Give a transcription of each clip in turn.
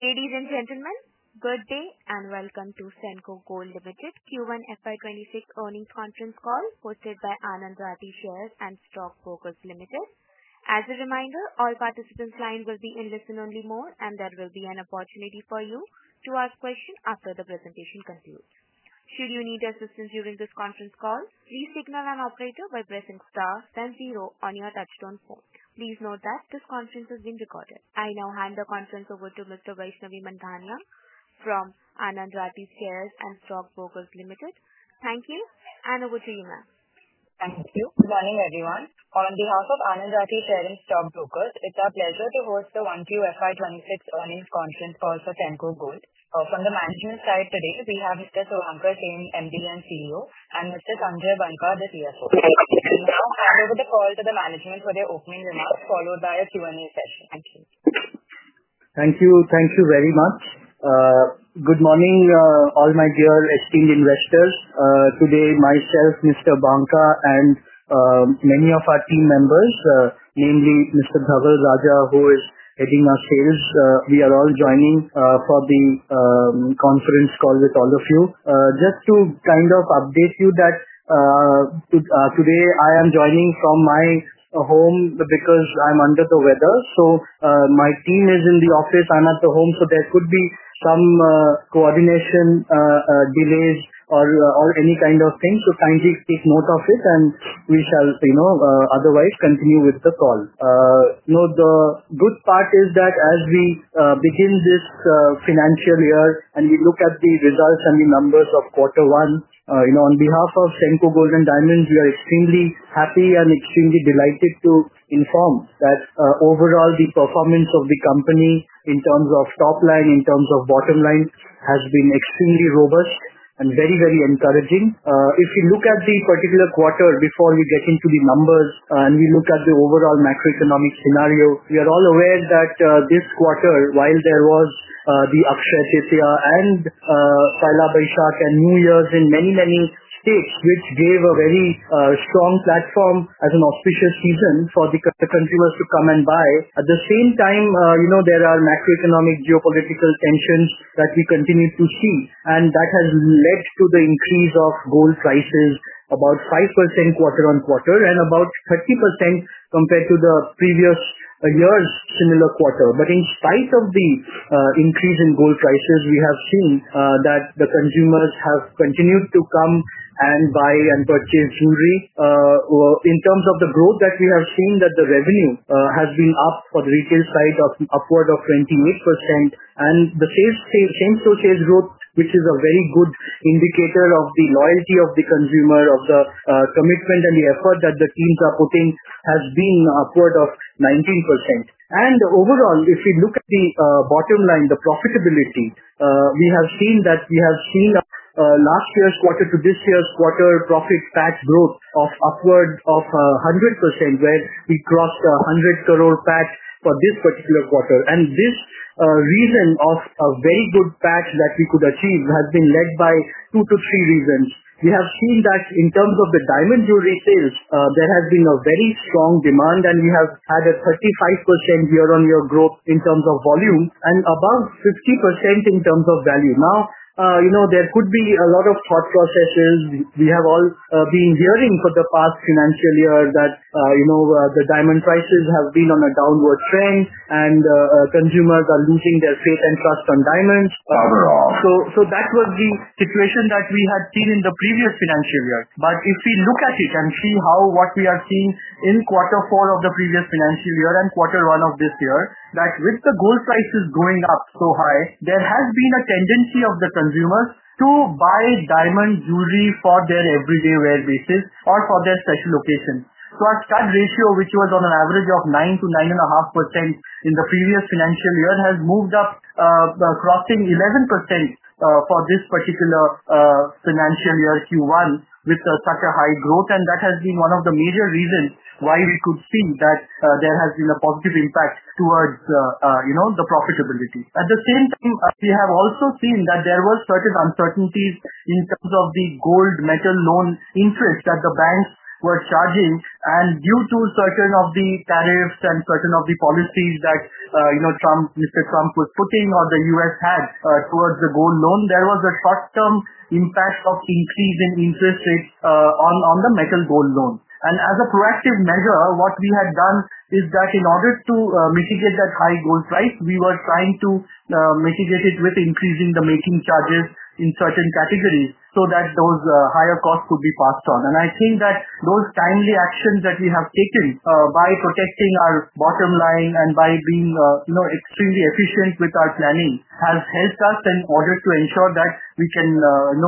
Ladies and gentlemen, good day and welcome to Senco Gold Limited's Q1 FY 2026 Earnings Conference Call hosted by Anand Rathi Shares and Stock Brokers Limited. As a reminder, all participants' lines will be in listen-only mode, and there will be an opportunity for you to ask questions after the presentation concludes. Should you need assistance during this conference call, please signal an operator by pressing star and zero on your touchtone phone. Please note that this conference is being recorded. I now hand the conference over to Ms. Vaishnavi Manthanya from Anand Rathi Shares and Stock Brokers Limited and Stock Focus Limited. Thank you. Over to you, ma'am. Thank you. Good morning, everyone. On behalf of Anand Rathi Shares and Stock Brokers, it's our pleasure to host the 1Q FY 2026 earnings conference call for Senco Gold. From the management side today, we have Mr. Suvankar Sen, MD and CEO, and Mr. Sanjay Banka, the CFO. I will now hand over the call to the management for their opening remarks followed by a Q&A session. Thank you. Thank you very much. Good morning, all my dear esteemed investors. Today, myself, Mr. Banka, and many of our team members, namely Mr. Dhaval Raja, who is heading our Sales, we are all joining for the conference call with all of you. Just to kind of update you that today I am joining from my home because I'm under the weather. My team is in the office. I'm at the home. There could be some coordination delays or any kind of thing. Kindly take note of it, and we shall otherwise continue with the call. The good part is that as we begin this financial year and we look at the results and the numbers of quarter one, on behalf of Senco Gold & Diamond, we are extremely happy and extremely delighted to inform that overall, the performance of the company in terms of top line, in terms of bottom line, has been extremely robust and very, very encouraging. If you look at the particular quarter before we get into the numbers and we look at the overall macroeconomic scenario, we are all aware that this quarter, while there was the upsurge here and Paala Baishar, 10 New Years, and many, many gifts, which gave a very strong platform as an auspicious season for the consumers to come and buy. At the same time, there are macroeconomic geopolitical tensions that we continue to see, and that has led to the increase of gold prices about 5% quarter on quarter and about 30% compared to the previous year's similar quarter. In spite of the increase in gold prices, we have seen that the consumers have continued to come and buy and purchase jewelry. In terms of the growth that we have seen, the revenue has been up for the retail side of the upward of 28%. The same-store sales growth, which is a very good indicator of the loyalty of the consumer, of the commitment and the effort that the teams are putting, has been upward of 19%. Overall, if you look at the bottom line, the profitability, we have seen that we have seen last year's quarter to this year's quarter profit after tax growth of upwards of 100%, where we crossed the 100 crore PAT for this particular quarter. This reason of a very good PAT that we could achieve has been led by two to three reasons. We have seen that in terms of the diamond jewelry sales, there has been a very strong demand, and we have had a 35% year-on-year growth in terms of volume and about 50% in terms of value. Now, you know, there could be a lot of thought processes. We have all been hearing for the past financial year that, you know, the diamond prices have been on a downward trend and consumers are losing their faith and trust in diamonds. That was the situation that we had seen in the previous financial year. If we look at it and see what we are seeing in quarter four of the previous financial year and quarter one of this year, with the gold prices going up so high, there has been a tendency of the consumers to buy diamond jewelry for their everyday wear basis or for their special occasion. Our SCAD ratio, which was on an average of 9%-9.5% in the previous financial year, has moved up, crossing 11% for this particular financial year Q1, with such a high growth. That has been one of the major reasons why we could see that there has been a positive impact towards the profitability. At the same time, we have also seen that there were certain uncertainties in terms of the gold metal loan interest that the banks were charging. Due to certain of the tariffs and certain of the policies that, you know, Mr. Trump was putting on the U.S. towards the gold loan, there was a short-term impact of increasing interest rates on the metal gold loan. As a proactive measure, what we had done is that in order to mitigate that high gold price, we were trying to mitigate it with increasing the making charges in certain categories so that those higher costs could be passed on. I think that those timely actions that we have taken by protecting our bottom line and by being extremely efficient with our planning have helped us in order to ensure that we can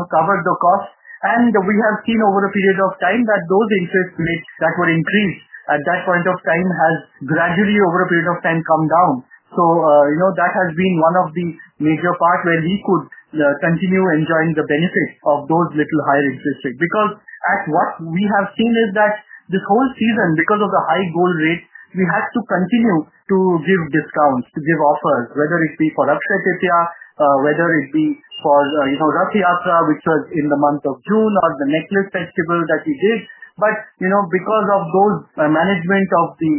cover the costs. We have seen over a period of time that those interest rates that were increased at that point of time have gradually, over a period of time, come down. That has been one of the major parts where we could continue enjoying the benefits of those little higher interest rates. Because as what we have seen is that this whole season, because of the high gold rate, we had to continue to give discounts, to give offers, whether it be for Raksha Tetya, whether it be for Ratha Yatra, which was in the month of June, or the necklace festival that we did. Because of those management of the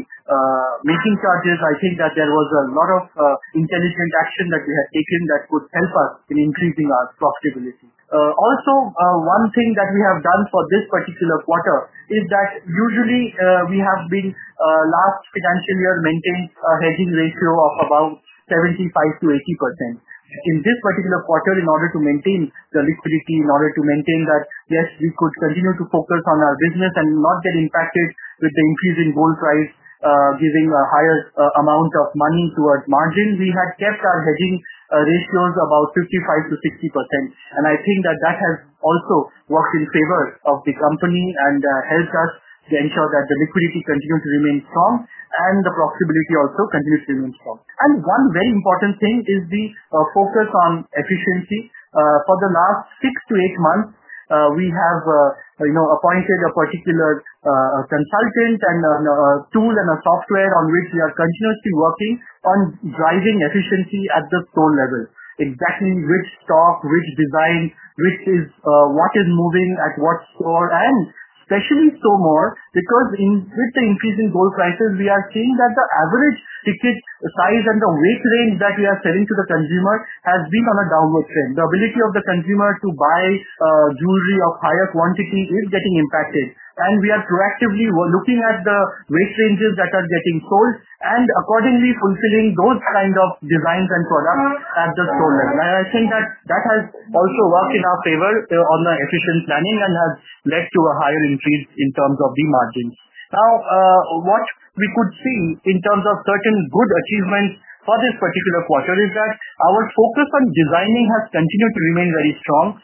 making charges, I think that there was a lot of intelligent action that we had taken that could help us in increasing our profitability. Also, one thing that we have done for this particular quarter is that usually, we have been, last financial year, maintaining a hedging ratio of about 75%-80%. In this particular quarter, in order to maintain the liquidity, in order to maintain that, yes, we could continue to focus on our business and not get impacted with the increase in gold price, giving a higher amount of money towards margin, we had kept our hedging ratios about 55%-60%. I think that that has also worked in favor of the company and helped us to ensure that the liquidity continued to remain strong and the profitability also continues to remain strong. One very important thing is the focus on efficiency. For the last six to eight months, we have appointed a particular consultant and a tool and a software on which we are continuously working on driving efficiency at the core level. Investing in which stock, which design, which is what is moving at what score, and especially so more because with the increasing gold prices, we are seeing that the average ticket size and the weight range that we are selling to the consumer has been on a downward trend. The ability of the consumer to buy jewelry of higher quantity is getting impacted. We are proactively looking at the rate ranges that are getting sold and accordingly fulfilling those kinds of designs and products at the core level. I think that that has also worked in our favor on the efficient planning and has led to a higher increase in terms of the margins. Now, what we could see in terms of certain good achievements for this particular quarter is that our focus on designing has continued to remain very strong.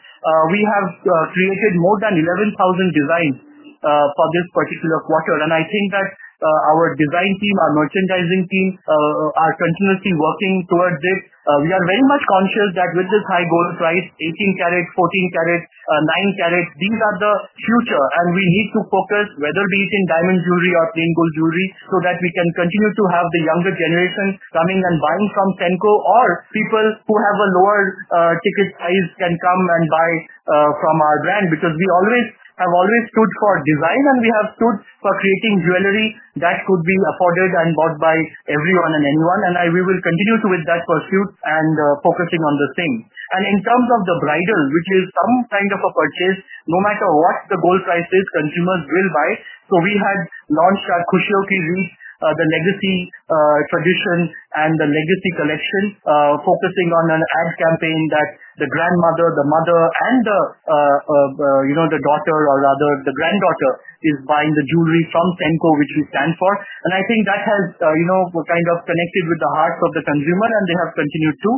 We have created more than 11,000 designs for this particular quarter. I think that our design team, our merchandising team, are continuously working towards this. We are very much conscious that with this high gold price, 18K, 14K, 9K, these are the future. We need to focus, whether it be in diamond jewelry or plain gold jewelry, so that we can continue to have the younger generation coming and buying from Senco or people who have a lower ticket size can come and buy from our brand, because we have always stood for design and we have stood for creating jewelry that could be afforded and bought by everyone and anyone. We will continue with that pursuit and focus on the same. In terms of the bridal, which is some kind of a purchase, no matter what the gold price is, consumers will buy. We had launched our Kushlo Kizi, the legacy tradition and the legacy collection, focusing on an ad campaign that the grandmother, the mother, and the daughter, or rather the granddaughter, is buying the jewelry from Senco, which we stand for. I think that has kind of connected with the hearts of the consumer, and they have continued to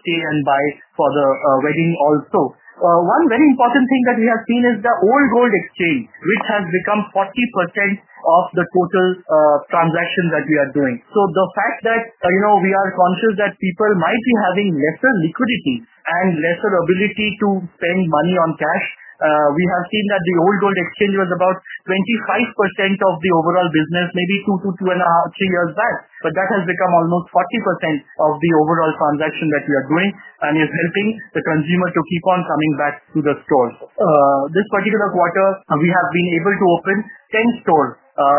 stay and buy for the wedding also. One very important thing that we have seen is the all-gold exchange, which has become 40% of the total transaction that we are doing. The fact that we are conscious that people might be having lesser liquidity and lesser ability to spend money on cash, we have seen that the all-gold exchange was about 25% of the overall business, maybe two to two and a half, three years back. That has become almost 40% of the overall transaction that we are doing and is helping the consumer to keep on coming back to the store. This particular quarter, we have been able to open 10 stores,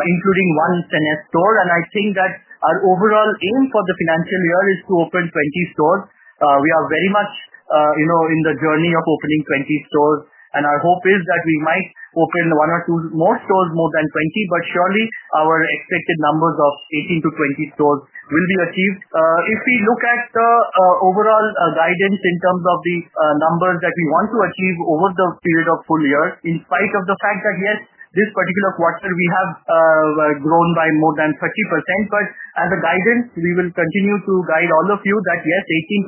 including one Sennes store. I think that our overall aim for the financial year is to open 20 stores. We are very much in the journey of opening 20 stores. Our hope is that we might open one or two more stores, more than 20, but surely our expected numbers of 18 to 20 stores will be achieved. If we look at the overall guidance in terms of the numbers that we want to achieve over the period of full year, in spite of the fact that, yes, this particular quarter we have grown by more than 30%, as a guidance, we will continue to guide all of you that, yes,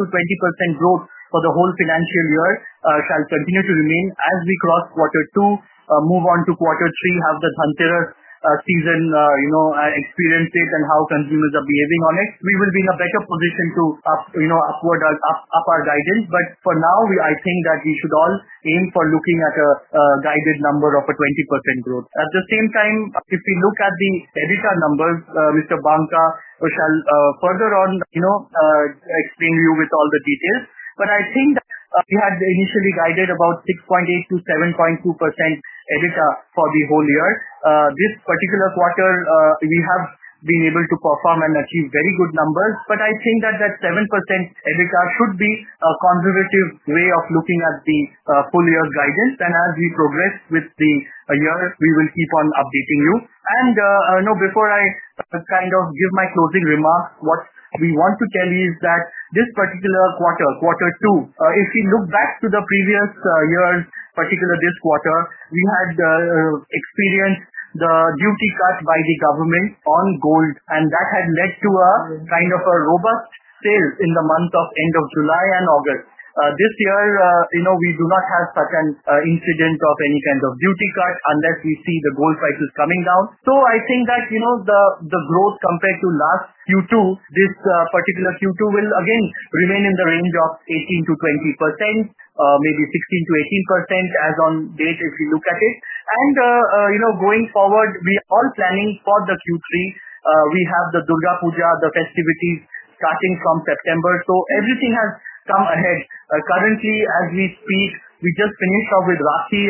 18%-20% growth for the whole financial year shall continue to remain as we cross quarter two, move on to quarter three, have the Dhanteras season, experience it and see how consumers are behaving on it. We will be in a better position to upward up our guidance. For now, I think that we should all aim for looking at a guided number of a 20% growth. At the same time, if we look at the EBITDA numbers, Mr. Banka shall further on explain to you with all the details. I think you have initially guided about 6.8%-7.2% EBITDA for the whole year. This particular quarter, we have been able to perform and achieve very good numbers. I think that 7% EBITDA should be a conservative way of looking at the full year guidance. As we progress with the year, we will keep on updating you. Before I give my closing remarks, what we want to tell you is that this particular quarter, quarter two, if you look back to the previous year, particularly this quarter, we had experienced the duty cuts by the government on gold. That had led to a kind of a robust sale in the end of July and August. This year, we do not have such an incident of any kind of duty cut unless we see the gold prices coming down. I think that the growth compared to last Q2, this particular Q2 will again remain in the range of 18%-20%, maybe 16%-18% as on date if you look at it. Going forward, we are all planning for Q3. We have the Durga Puja, the festivities starting from September. Everything has come ahead. Currently, as we speak, we just finished off with Rasi.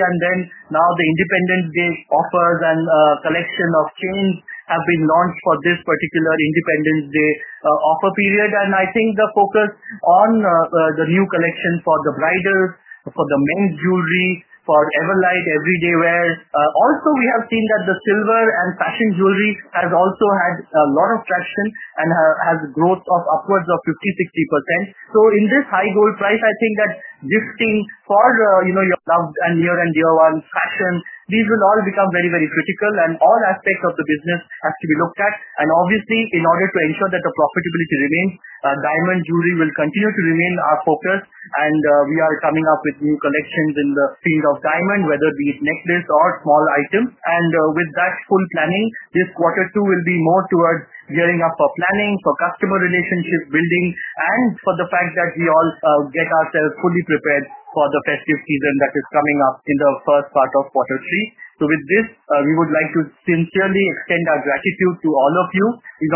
Now the Independence Day offers and a collection of chains have been launched for this particular Independence Day offer period. I think the focus on the new collection for the bridals, for the men's jewelry, for every light, everyday wear. Also, we have seen that the silver and fashion jewelry has also had a lot of traction and has a growth of upwards of 50%-60%. In this high gold price, I think that this thing for your love and year and year one fashion, these will all become very, very critical. All aspects of the business have to be looked at. Obviously, in order to ensure that the profitability remains, diamond jewelry will continue to remain our focus. We are coming up with new collections in the field of diamond, whether it be necklace or small items. With that full planning, this quarter two will be more towards gearing up for planning, for customer relationship building, and for the fact that we all get ourselves fully prepared for the festive season that is coming up in the first part of quarter three. With this, we would like to sincerely extend our gratitude to all of you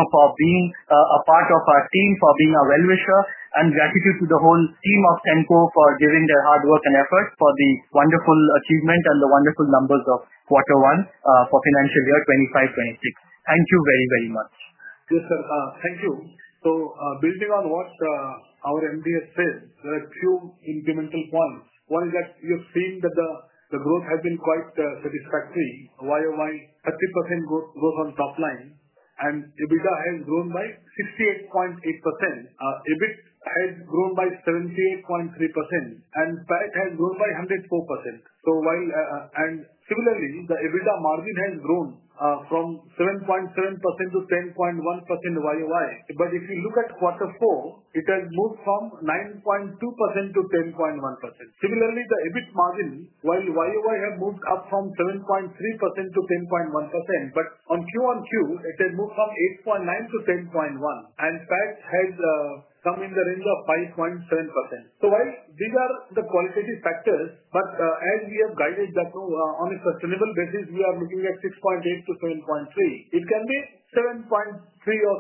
for being a part of our team, for being our well-wisher, and gratitude to the whole team of Senco for giving their hard work and effort for these wonderful achievements and the wonderful numbers of quarter one for financial year 2025-2026. Thank you very, very much. Yes, sir. Thank you. Building on what our MD says, two incremental points. One is that you've seen that the growth has been quite satisfactory, with 30% growth on top line, and EBITDA has grown by 68.8%. EBIT has grown by 78.3%, and PAT has grown by 104%. Similarly, the EBITDA margin has grown from 7.7% to 10.1%. If you look at quarter four, it has moved from 9.2% to 10.1%. Similarly, the EBIT margin, while year-on-year has moved up from 7.3% to 10.1%, on Q on Q, it has moved from 8.9% to 10.1%. PAT has come in the range of 5.7%. While these are the qualitative factors, as we have guided that on a sustainable basis, we are looking at 6.8% to 7.3%. It can be 7.3% or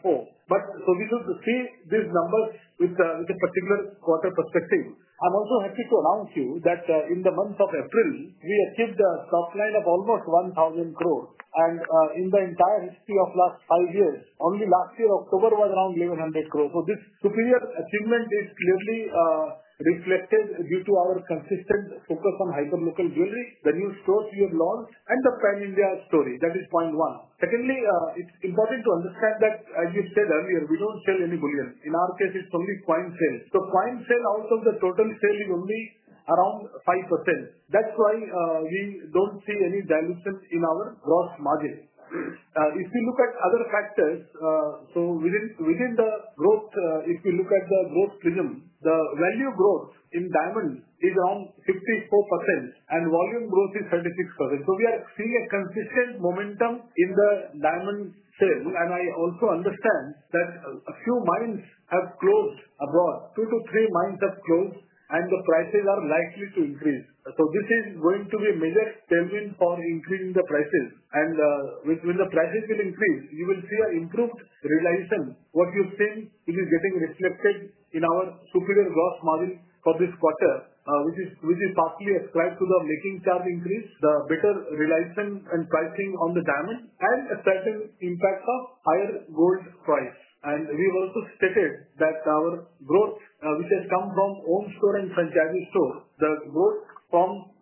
7.4%. We will see these numbers with a particular quarter perspective. I'm also happy to announce to you that in the month of April, we achieved a top line of almost 1,000 crore. In the entire history of the last five years, only last year, October, was around 1,100 crore. This superior achievement is clearly reflected due to our consistent focus on hyperlocal jewelry, the new stores we have launched, and the Pan-India story. That is point one. Secondly, it's important to understand that, as you said earlier, we don't sell any bullion. In our case, it's only coin sale. Coin sale out of the total sale is only around 5%. That's why we don't see any dilutions in our gross margins. If you look at other factors, within the growth, if you look at the growth prism, the value growth in diamonds is around 54% and volume growth is 36%. We are seeing a consistent momentum in the diamond sale. I also understand that a few mines have closed abroad, two to three mines have closed, and the prices are likely to increase. This is going to be a major stimulant for increasing the prices. When the prices will increase, you will see an improved relation. What you've seen is getting reflected in our superior gross margin for this quarter, which is partially ascribed to the making charge increase, the better relation and pricing on the diamond, and a certain impact of higher gold price. We have also stated that our growth, which has come from home store and franchisee store, the growth from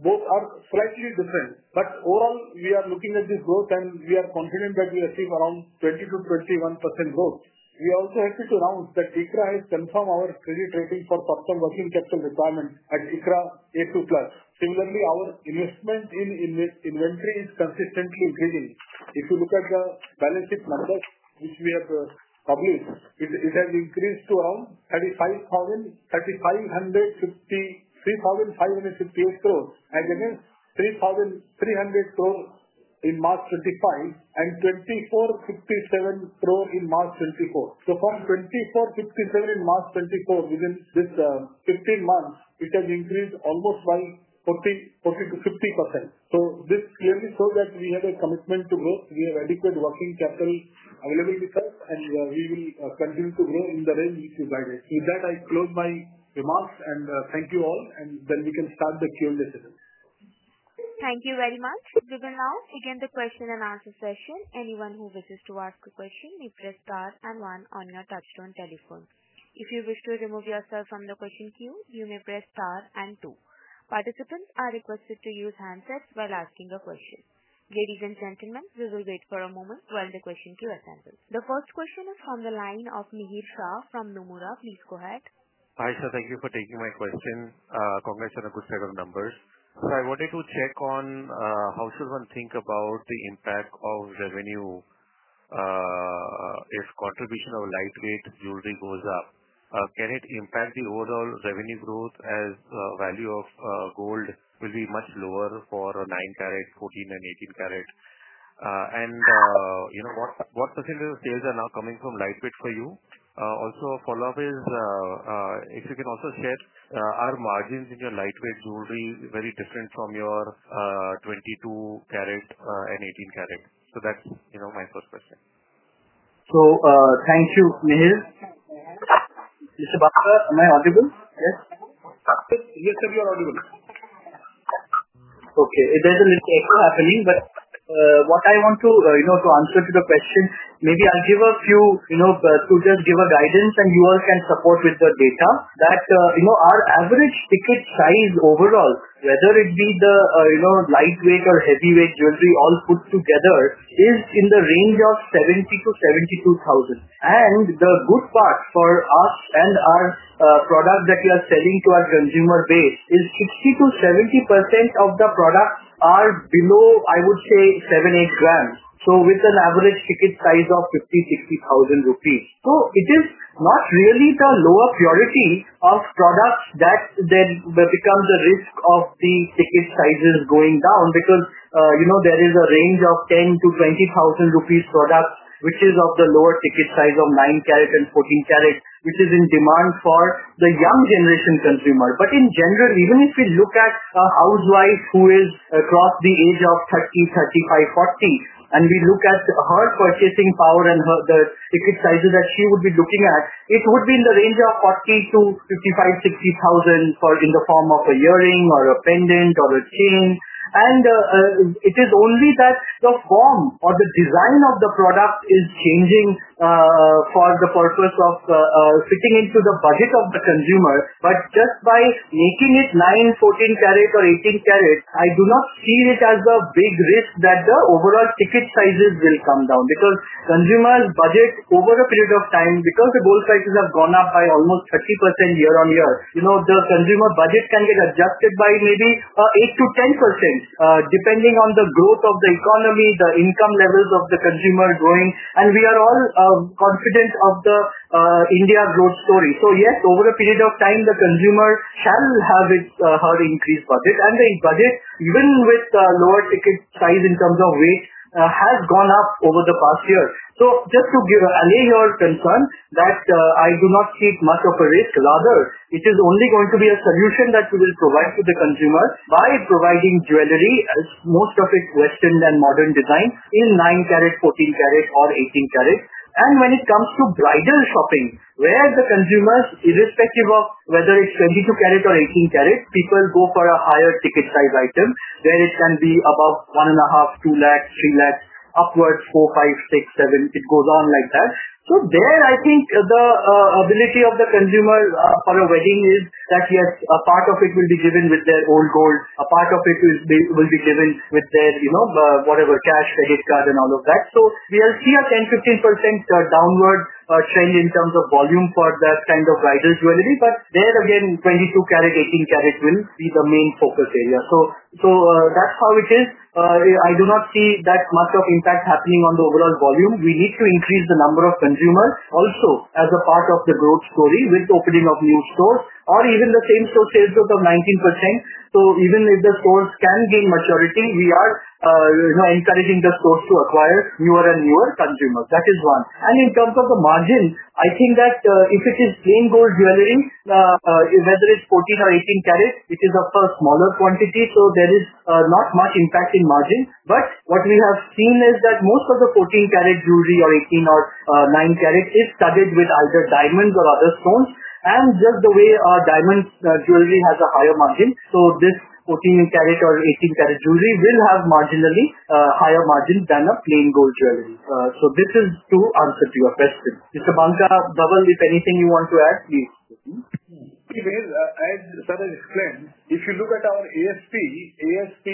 both are slightly different. Overall, we are looking at this growth and we are confident that we achieve around 20%-21% growth. We are also happy to announce that ICRA has confirmed our credit rating for top-performing custom requirements at ICRA A2+. Similarly, our investment in inventory is consistently increasing. If you look at the balance sheet numbers, which we have published, it has increased to 35,358 crore. Again, 3,300 crore in March 2025 and 2,457 crore in March 2024. From 2,457 core in March 2024, within this 15 months, it has increased almost by 40%-50%. This clearly shows that we have a commitment to growth. We have adequate working capital available to us, and we will continue to grow in the range we guided. With that, I close my remarks and thank you all, and then we can start the Q&A session. Thank you very much. We will now begin the question and answer session. Anyone who wishes to ask a question may press star and one on your touchstone telephone. If you wish to remove yourself from the question queue, you may press star and two. Participants are requested to use handsets while asking a question. Ladies and gentlemen, we will wait for a moment while the question queue assembles. The first question is from the line of Nehit Shah from Nomura. Please go ahead. Hi, sir. Thank you for taking my question. Congrats on a good set of numbers. I wanted to check on how someone thinks about the impact of revenue if contribution of lightweight jewelry goes up. Can it impact the overall revenue growth as the value of gold will be much lower for 9K, 14K, and 18K? You know, what % of the sales are now coming from lightweight for you? Also, a follow-up is if you can also state are margins in your lightweight jewelry very different from your 22K and 18K? That's my first question. Thank you, Nehit. Mr. Banka, am I audible? Yes. Yes, sir, you are audible. Okay. There's an echo happening, but what I want to answer to the question, maybe I'll give a few, give a guidance, and you all can support with the data that our average ticket size overall, whether it be the lightweight or heavyweight jewelry all put together, is in the range of 70,000-72,000. The good part for us and our product that we are selling to our consumer base is 60%-70% of the products are below, I would say, 7,000-8,000. With an average ticket size of 50,000 rupees, 60,000 rupees. It is not really the lower purity of products that then becomes a risk of the ticket sizes going down because there is a range of 10,000-20,000 rupees products, which is of the lower ticket size of 9K and 14K, which is in demand for the young generation consumer. In general, even if we look at a housewife who is across the age of 30, 35, 40, and we look at her purchasing power and the ticket sizes that she would be looking at, it would be in the range of 40,000 to 55,000, 60,000 for in the form of an earring or a pendant or a chain. It is only that the form or the design of the product is changing for the purpose of fitting into the budget of the consumer. Just by making it 9K, 14K, or 18K, I do not see it as a big risk that the overall ticket sizes will come down because consumers' budgets over a period of time, because the gold prices have gone up by almost 30% year on year, the consumer budget can get adjusted by maybe 8% to 10% depending on the growth of the economy, the income levels of the consumer growing. We are all confident of the India growth story. Over a period of time, the consumer shall have her increased budget. The budget, even with the lower ticket size in terms of weight, has gone up over the past year. Just to give an earlier concern that I do not see much of a risk, rather, it is only going to be a solution that we will provide to the consumer by providing jewelry, as most of it is western and modern design, in 9K, 14K, or 18K. When it comes to bridal shopping, where the consumers, irrespective of whether it's 22K or 18K, people go for a higher ticket size item, where it can be about 150,000 to INR 200,000, INR 300,000, upwards INR 400,000, 500,000, 600,000, 700,000. It goes on like that. I think the ability of the consumer for a wedding is that yes, a part of it will be given with their own gold. A part of it will be given with their, you know, whatever, cash, credit card, and all of that. We will see a 10%-15% downward trend in terms of volume for that kind of bridal jewelry. There again, 22K, 18K will be the main focus area. That's how it is. I do not see that much of impact happening on the overall volume. We need to increase the number of consumers also as a part of the growth story with the opening of new stores or even the same-store sales growth of 19%. Even if the stores can gain maturity, we are encouraging the stores to acquire fewer and fewer consumers. That is one. In terms of the margin, I think that if it is plain gold jewelry, whether it's 14K or 18K, it is of a smaller quantity. There is not much impact in margin. What we have seen is that most of the 14K jewelry or 18K or 9K is covered with either diamonds or other stones. Just the way diamond jewelry has a higher margin, this 14K or 18K jewelry will have marginally higher margins than plain gold jewelry. This is two answers you are testing. Mr. Banka, Dhaval if anything you want to add, please. If you may, as Sarah explained, if you look at our AST, AST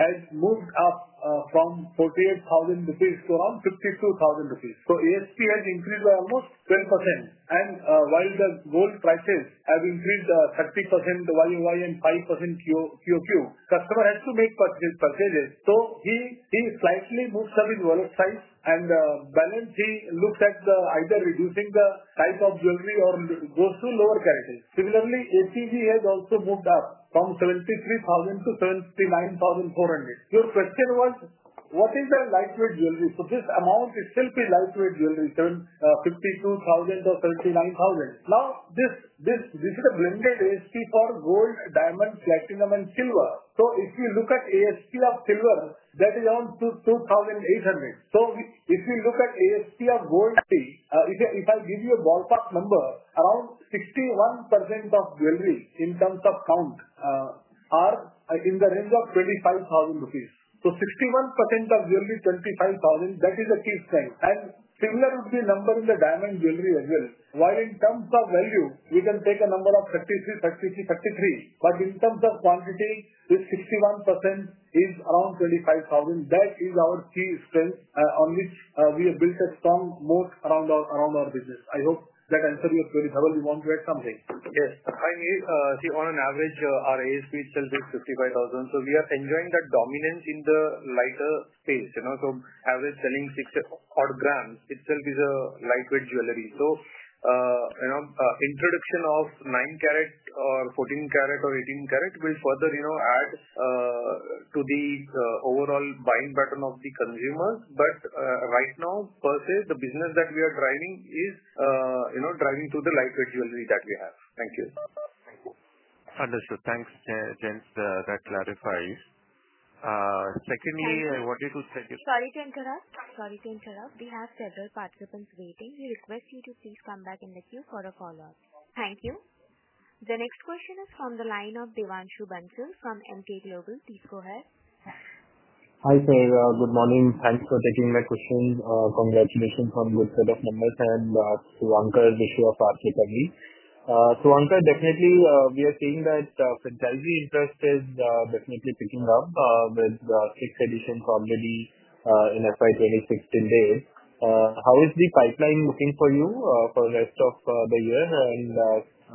has moved up from 48,000 rupees to around 52,000 rupees. AST has increased by almost 10%. While the gold prices have increased 30% year-over-year and 5% Q on Q, customer has to make purchases. He slightly moved up his wallet size and balance. He looked at either reducing the type of jewelry or goes to lower prices. Similarly, ACG has also moved up from 73,000 to 79,400. Your question was, what is a lightweight jewelry? This amount is still the lightweight jewelry, 52,000 or 79,000. Now, this should have blended AST for gold, diamonds, platinum, and silver. If you look at AST of silver, that is around INR 2,800. If you look at AST of gold, if I give you a ballpark number, around 61% of jewelry in terms of count are in the range of 25,000 rupees. So 61% of jewelry, 25,000, that is a piece size. Similar would be the number in the diamond jewelry as well. In terms of value, you can take a number of 33, 33, 33. In terms of quantity, this 61% is around 25,000. That is our key strength on which we have built a strong moat around our digits. I hope that answered your question. Dhaval, you want to add something? Yes, I see on an average, our AST itself is 55,000. We are enjoying that dominance in the lighter space. Average selling 60 odd grams itself is a lightweight jewelry. Introduction of 9K or 14K or 18K will further add to the overall buying pattern of the consumers. Right now, per se, the business that we are driving is driving through the lightweight jewelry that we have. Thank you. Thank you. Understood. Thanks, Nehit. That clarifies. Secondly, I wanted to send. Sorry to interrupt. We have several participants waiting. We request you to please come back in the queue for a follow-up. Thank you. The next question is from the line of Devanshu Bensu from MK Global. Please go ahead. Hi, sir. Good morning. Thanks for taking my question. Congratulations on Good Food of Mumbai and Suvankar Sen. Suvankar, definitely, we are seeing that the franchisee interest is definitely picking up with the sixth edition coming in FY 2026 days. How is the pipeline looking for you for the rest of the year?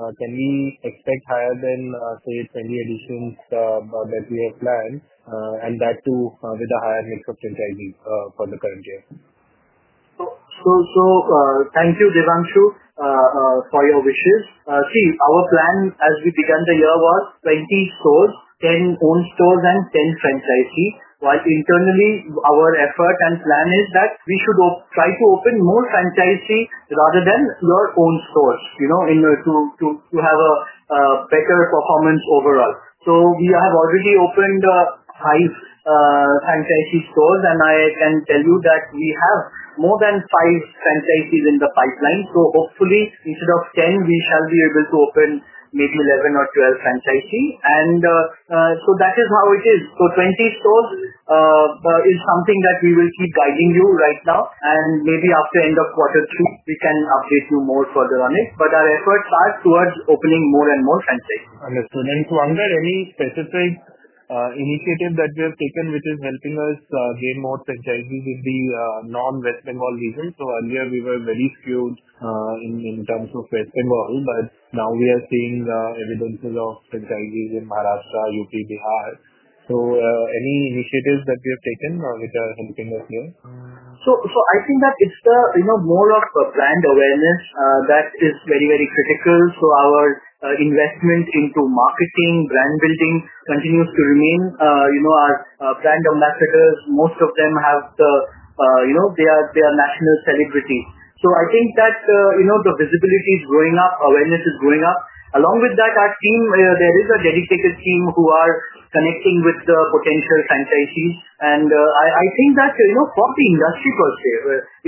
Can we expect higher than, say, 70 editions that we have planned? That too with a higher mix of franchisees for the current year? Thank you, Devanshu, for your wishes. Our plan as we began the year was 20 stores, 10 own stores, and 10 franchisees. While internally, our effort and plan is that we should try to open more franchisees rather than your own stores to have a better performance overall. We have already opened five franchisee stores, and I can tell you that we have more than five franchisees in the pipeline. Hopefully, instead of 10, we shall be able to open maybe 11 or 12 franchisees. That is how it is. 20 stores is something that we will keep guiding you right now. Maybe after end of quarter two, we can update you more further on it. Our efforts are towards opening more and more franchisees. Understood. Suvankar, any specific initiative that we have taken which is helping us gain more franchisees in the non-West Bengal region? Earlier, we were very few in terms of West Bengal, but now we are seeing evidences of franchisees in Maharashtra, Uttar Pradesh, Bihar. Any initiatives that we have taken which are helping us here? I think that it's more of a brand awareness that is very, very critical. Our investment into marketing and brand building continues to remain. As brand ambassadors, most of them are national celebrities. I think that the visibility is growing up. Awareness is growing up. Along with that, our team, there is a dedicated team who are connecting with the potential franchisees. I think that for the industry per se,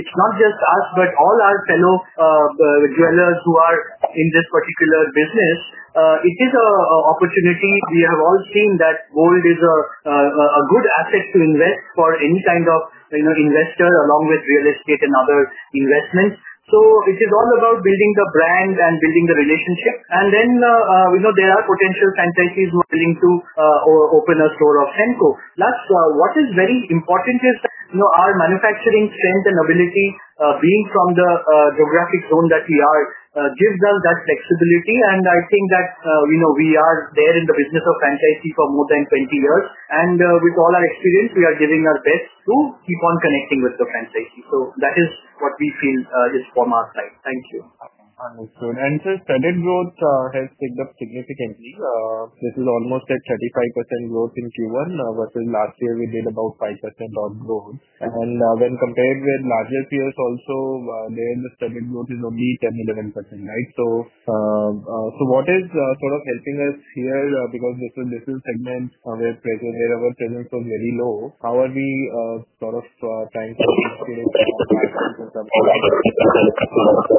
it's not just us, but all our fellow jewelers who are in this particular business, it is an opportunity. We have all seen that gold is a good asset to invest for any kind of investor along with real estate and other investments. It is all about building the brand and building the relationship. There are potential franchisees who are willing to open a store of Senco. What is very important is our manufacturing strength and ability, being from the geographic zone that we are, gives us that flexibility. I think that we are there in the business of franchisee for more than 20 years. With all our experience, we are giving our best to keep on connecting with the franchisees. That is what we feel is from our side. Thank you. Understood. Sir, credit growth has picked up significantly. This is almost a 35% growth in Q1. Versus last year, we did about 5% of growth. When compared with larger tiers also, the credit growth is only 10%-11%, right? What is sort of helping us here because different segments where our credit score is very low? How are we sort of trying to increase our credit score?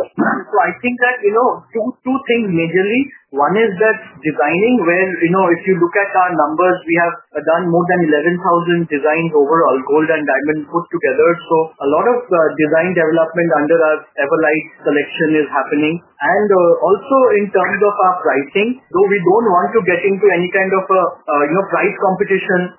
I think that, you know, two things majorly. One is that designing, where, you know, if you look at our numbers, we have done more than 11,000 designs overall, gold and diamond put together. A lot of design development under our Everlight collection is happening. Also, in terms of our pricing, though we don't want to get into any kind of, you know, price competition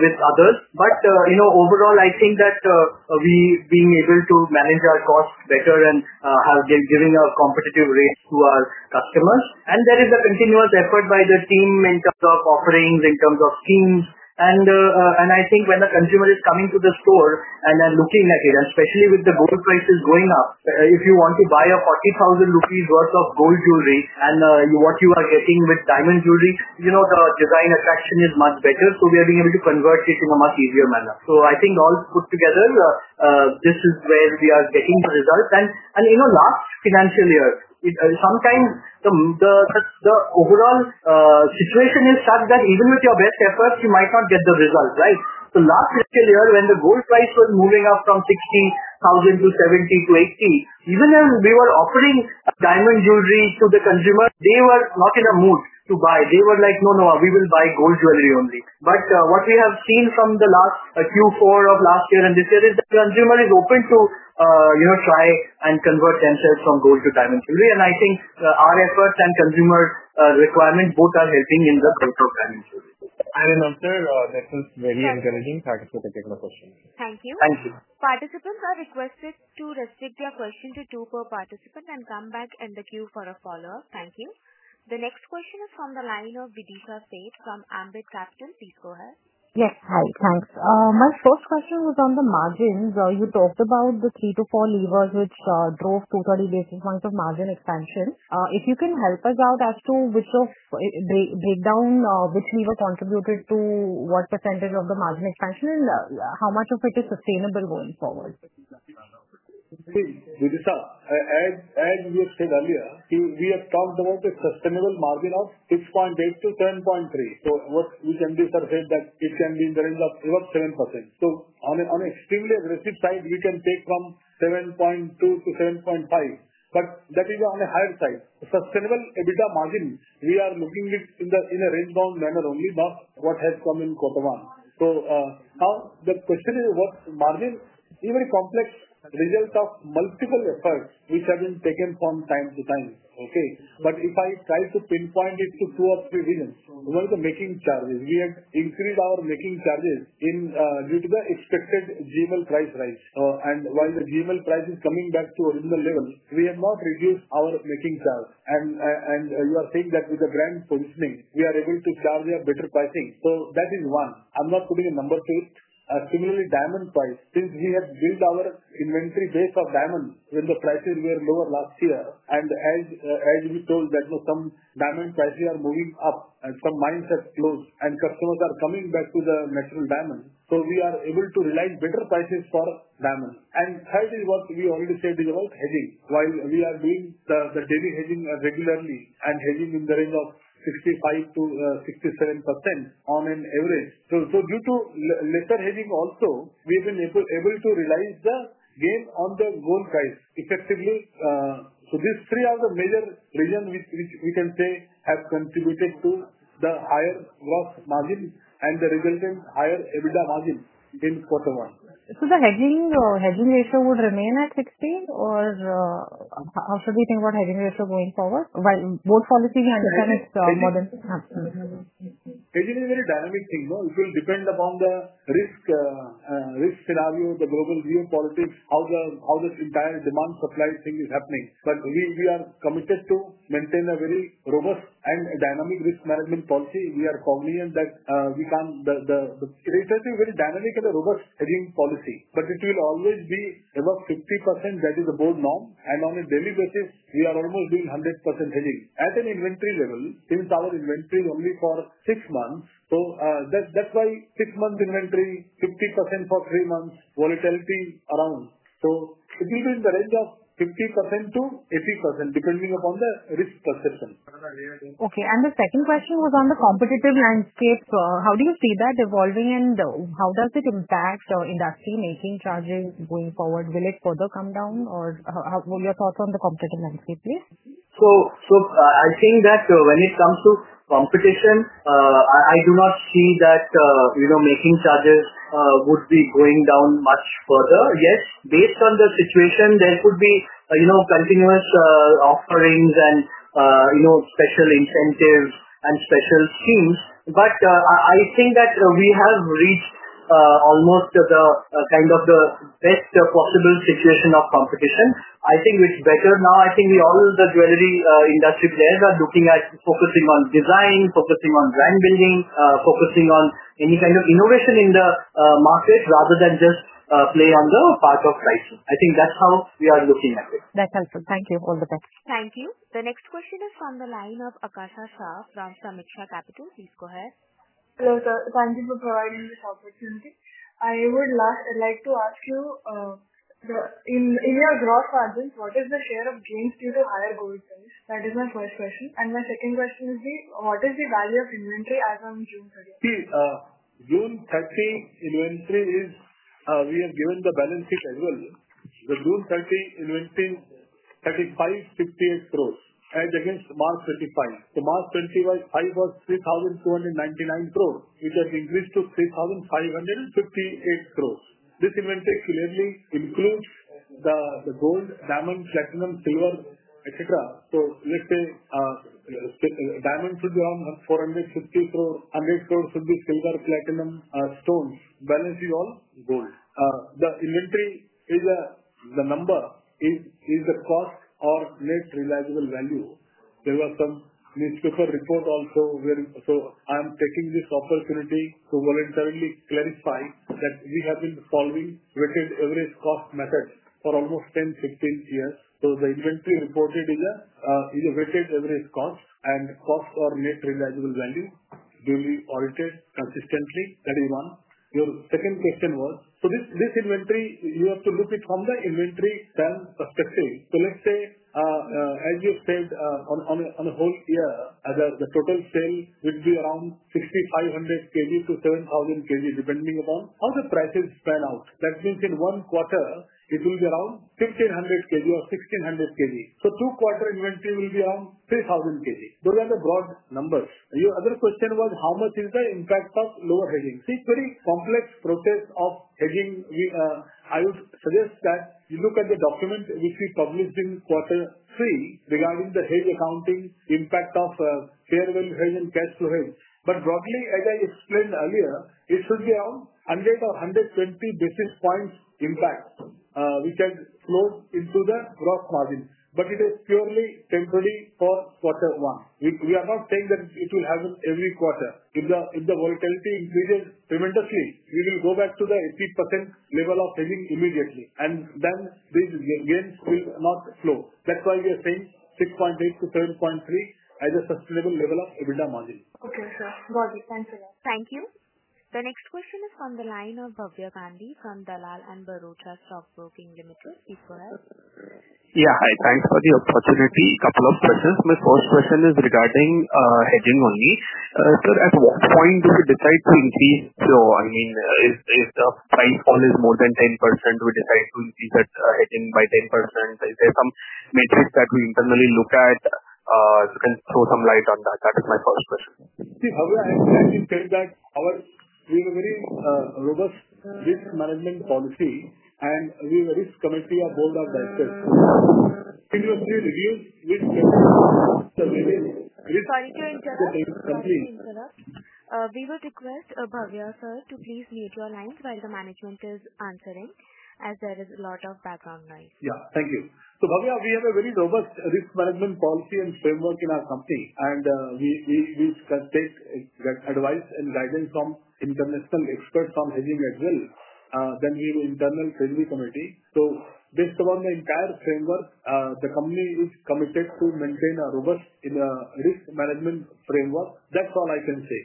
with others, overall, I think that we've been able to manage our costs better and have been giving our competitive rates to our customers. There is a continuous effort by the team in terms of offerings, in terms of schemes. I think when a consumer is coming to the store and then looking at it, especially with the gold prices going up, if you want to buy 40,000 rupees worth of gold jewelry and what you are getting with diamond jewelry, the design attraction is much better. We are being able to convert this in a much easier manner. I think all put together, this is where we are taking results. Last financial year, sometimes the overall situation is such that even with your best efforts, you might not get the results, right? Last fiscal year, when the gold price was moving up from 60,000 to 70,000 to 80,000 even when we were offering diamond jewelry to the consumer, they were not in a mood to buy. They were like, no, no, we will buy gold jewelry only. What we have seen from Q4 of last year and this year is consumers are open to, you know, try and convert 0.10 from gold to diamond jewelry. I think our efforts and consumer requirements both are helping in the gold and diamond jewelry. I remember, that's very encouraging. Thank you for taking my question. Thank you. Thank you. Participants are requested to restrict their question to two per participant and come back in the queue for a follow-up. Thank you. The next question is from the line of Videesha Sheth from Ambit Capitals. Please go ahead. Yes, hi. Thanks. My first question was on the margins. You talked about the three to four levers which drove 230 basis points of margin expansion. If you can help us out as to which of the breakdown, which lever contributed to what % of the margin expansion and how much of it is sustainable going forward? Vidisha, as you have said earlier, we have talked about a sustainable margin of 6.8%-7.3%. What we can do is survey that it can be in the range of about 7%. On an extremely aggressive side, we can take from 7.2%-7.5%, but that is on the higher side. Sustainable EBITDA margin, we are looking at it in a range-bound manner only, not what has come in quarter one. The question is what margin, even complex result of multiple efforts, which have been taken from time to time. If I try to pinpoint it to two or three reasons, one is making charges. We have increased our making charges with the expected gold price rise, and when the gold price is coming back to original level, we have not reduced our making sales. You are saying that with the brand positioning, we are able to sell via better pricing. That is one. I'm not putting a number to it. Secondly, diamond price. Since we have built our inventory base of diamonds when the prices were lower last year, and as we told that some diamond prices are moving up and some mines have closed and customers are coming back to the natural diamonds, we are able to rely on better prices for diamonds. Third is what we already said about hedging. While we are doing the daily hedging regularly and hedging in the range of 65%-67% on an average, due to lesser hedging also, we have been able to realize the gain on the gold price effectively. These three are the major reasons which we can say have contributed to the higher gross margin and the resulting higher EBITDA margin since quarter one. The hedging ratio would remain at 16 or how should we think about hedging ratio going forward? Both policies, we understand it's more than half. Hedging is a very dynamic thing. It will depend upon the risk scenario, the global geopolitics, how the entire demand-supply thing is happening. We are committed to maintain a very robust and dynamic risk management policy. We are confident that we found the research is a very dynamic and a robust hedging policy. It will always be above 50%. That is the bold norm. On a daily basis, we are almost doing 100% hedging. At an inventory level, since our inventory is only for six months, that's why six months inventory, 50% for three months, volatility around. It will be in the range of 50%- 80% depending upon the risk perception. Okay. The second question was on the competitive landscape. How do you see that evolving and how does it impact industry making charges going forward? Will it further come down or what are your thoughts on the competitive landscape, please? I think that when it comes to competition, I do not see that making charges would be going down much further. Yes, based on the situation, there could be continuous offerings and special incentives and special schemes. I think that we have reached almost the kind of the best possible situation of competition. It's better now. I think we all, the jewelry industry players, are looking at focusing on design, focusing on brand building, focusing on any kind of innovation in the market rather than just play on the part of price. I think that's how we are looking at it. That's helpful. Thank you. All the best. Thank you. The next question is from the line of Akasha Shah from Dhamikshar Capitals. Please go ahead. Hello, sir. Thank you for providing this opportunity. I would like to ask you, in your gross margins, what is the share of jewelry due to higher gold sales? That is my first question. My second question would be, what is the value of inventory as on June 30th? June 30, inventory is, we have given the balance sheet as well. The June 30 inventory is INR 3,568 crores. Add against March 31. March 31 was 3,299 crores, which has increased to 3,558 crores. This inventory clearly includes the gold, diamonds, platinum, silver, etc. Let's say diamonds should be around 450 crores. 100 crores should be silver, platinum, stones. Balance is all gold. The inventory is the number, is the cost or net realizable value. There were some newspaper reports also where I am taking this opportunity to voluntarily clarify that we have been following the weighted average cost method for almost 10, 15 years. The inventory reported is a weighted average cost and cost or net realizable value will be altered consistently. That is one. Your second question was, this inventory, you have to look at it from the inventory spend perspective. Let's say, as you said, on a whole year, the total spend would be around 6,500 crore-7,000 crore depending upon how the prices fall out. That means in one quarter, it will be around 1,500 crore or 1,600 crore. Two quarter inventory will be around 3,000 crore. Those are the broad numbers. Your other question was, how much is the impact of lower hedging? See, very complex process of hedging. I would suggest that you look at the document which we published in quarter three regarding the hedge accounting, impact of fair value hedge and cash flow hedge. Broadly, as I explained earlier, it should be around 100 or 120 basis points impact, which has flow into the gross margin. It is purely temporary for quarter one. We are not saying that it will happen every quarter. If the volatility increases tremendously, we will go back to the 18% level of hedging immediately. These gains will not flow. That's why we are saying 6.8% to 7.3% as a sustainable level of EBITDA margin. Okay, sir. Thank you. Thank you. The next question is from the line of Bhavya Gandhi from Dalal & Broacha Stock Brocking Limited. Please go ahead. Yeah, hi. Thanks for the opportunity. A couple of questions. My first question is regarding hedging only. Sir, at what point do you decide to increase? If the price point is more than 10%, we decide to increase that hedging by 10%. Is there some metric that we internally look at and throw some light on that? That is my first question. See, however, I felt that our team has a very robust risk management policy, and we are very committed to our goals and benefits. Sorry to interrupt. Thank you, Indira. We would request Babya sir to please leave your line while the management is answering, as there is a lot of background noise. Yeah, thank you. We have a very robust risk management policy and framework in our company. We've got advice and guidance from an income expert from hedging as well. We have an internal safety committee. Based upon the entire framework, the company is committed to maintain a robust risk management framework. That's all I can say.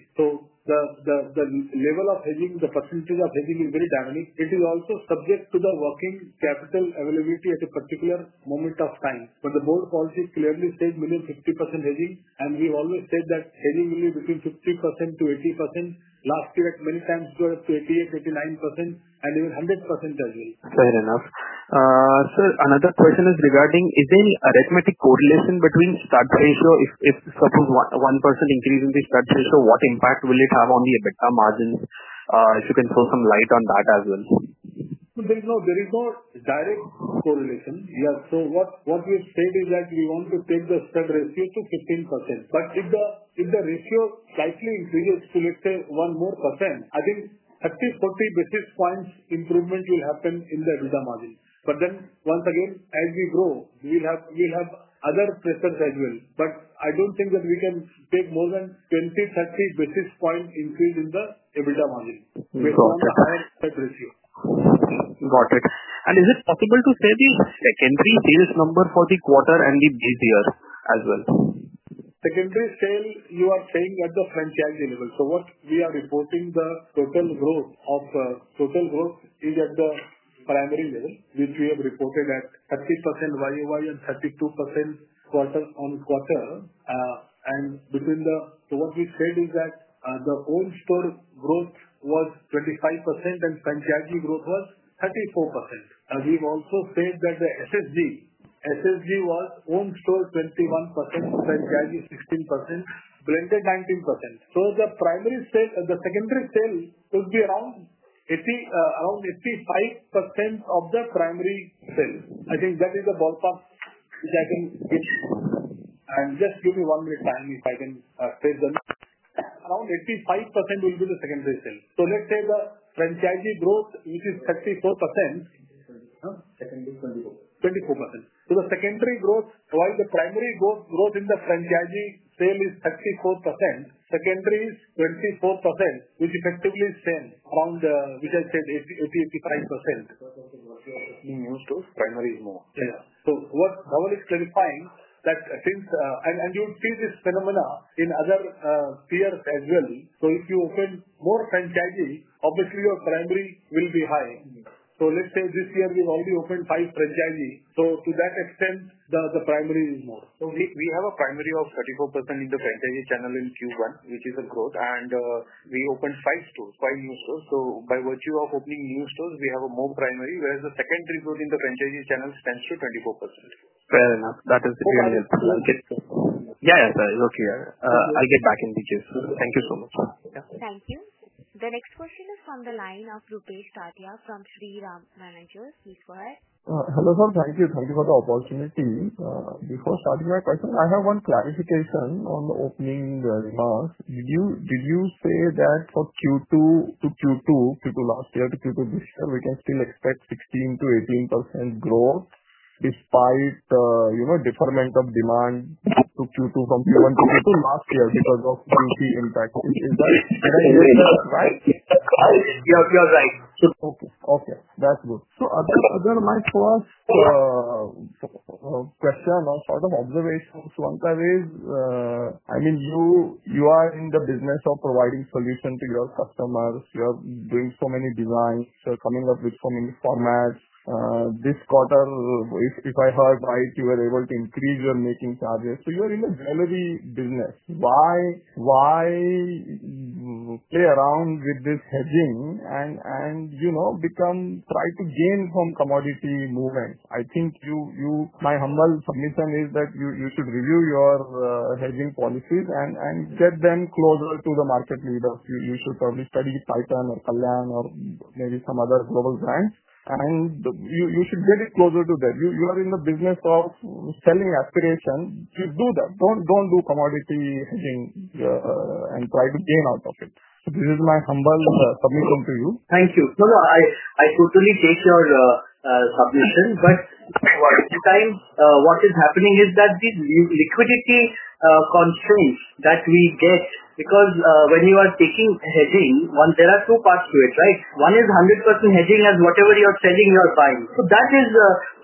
The level of hedging, the percentage of hedging is very dynamic. It is also subject to the working capital availability at a particular moment of time. The bold policy is clearly staying within 50% hedging. We've always said that hedging will be between 50%-80%. Last year, it many times got up to 88%, 89%, and even 100% hedging. Fair enough. Sir, another question is regarding, is there any arithmetic correlation between stock ratio? If suppose 1% increase in the stock ratio, what impact will it have on the EBITDA margin? If you can throw some light on that as well. There is no direct correlation. Yes. What we've said is that we want to take the stock ratio to 15%. If the ratio slightly increases to, let's say, 1% more, I think 30 basis points to 40 basis points improvement will happen in the EBITDA margin. Once again, as we grow, we'll have other pressures as well. I don't think that we can take more than 20 basis points to 30 basis points increase in the EBITDA margin based on the highest stock ratio. Got it. Is it possible to say the secondary sales number for the quarter and the GTR as well? Secondary sales, you are saying at the franchisee level. What we are reporting, the total growth, is at the primary level, which we have reported at 30% YOY and 32% quarter on quarter. What we've said is that the own store growth was 25% and franchisee growth was 34%. We've also said that the SSG was own store 21%, franchisee 16%, rental 19%. The primary sale, the secondary sale would be around 85% of the primary sales. I think that is a ballpark. Around 85% will be the secondary sales. Let's say the franchisee growth is 34%. Secondary is 24%. 24%. The secondary growth, while the primary growth in the franchise model sale is 34%, secondary is 24%, which effectively is the same, around the, which I said, 80%, 85%. Being used to primary is more. Yeah. What I was clarifying is that since, and you would see this phenomenon in other tiers as well, if you open more franchisees, obviously your primary will be high. Let's say this year we've already opened five franchisees. To that extent, the primary is more. We have a primary of 34% in the franchisee channel in Q1, which is a growth. We opened five stores, five new stores. By virtue of opening new stores, we have more primary, whereas the secondary growth in the franchisee channel stands at 24%. Fair enough. That is really helpful. Okay. Yeah, sir, it's okay. I'll get back in details. Thank you so much. Thank you. The next question is from the line of Rupesh Sathya from Sri Ram's Managers. Please go ahead. Hello, sir. Thank you. Thank you for the opportunity. Before starting my question, I have one clarification on the opening remarks. Did you say that for Q2 to Q2, Q2 last year to Q2 this year, we can still expect 16 to 18% growth despite the deferment of demand from Q1 to Q2 last year because of the impact? Is that right? Yes, you are right. Okay. That's good. My first question or sort of observation, Suvankar, is, I mean, you are in the business of providing solutions to your customers. You are doing so many designs. You're coming up with so many formats. This quarter, if I heard right, you were able to increase your making charges. You are in the jewelry business. Why play around with this hedging and, you know, try to gain some commodity movement? I think you, my humble submission is that you should review your hedging policies and get them closer to the market leaders. You should probably study Titan or Callahan or maybe some other global brands. You should get it closer to that. You are in the business of selling aspirations. You do that. Don't do commodity hedging and try to gain out of it. This is my humble submission to you. Thank you. No, no, I totally take your submission. What is happening is that the liquidity consumes that we get because when you are taking hedging, one, there are two parts to it, right? One is 100% hedging as whatever you are selling, you are buying. That is,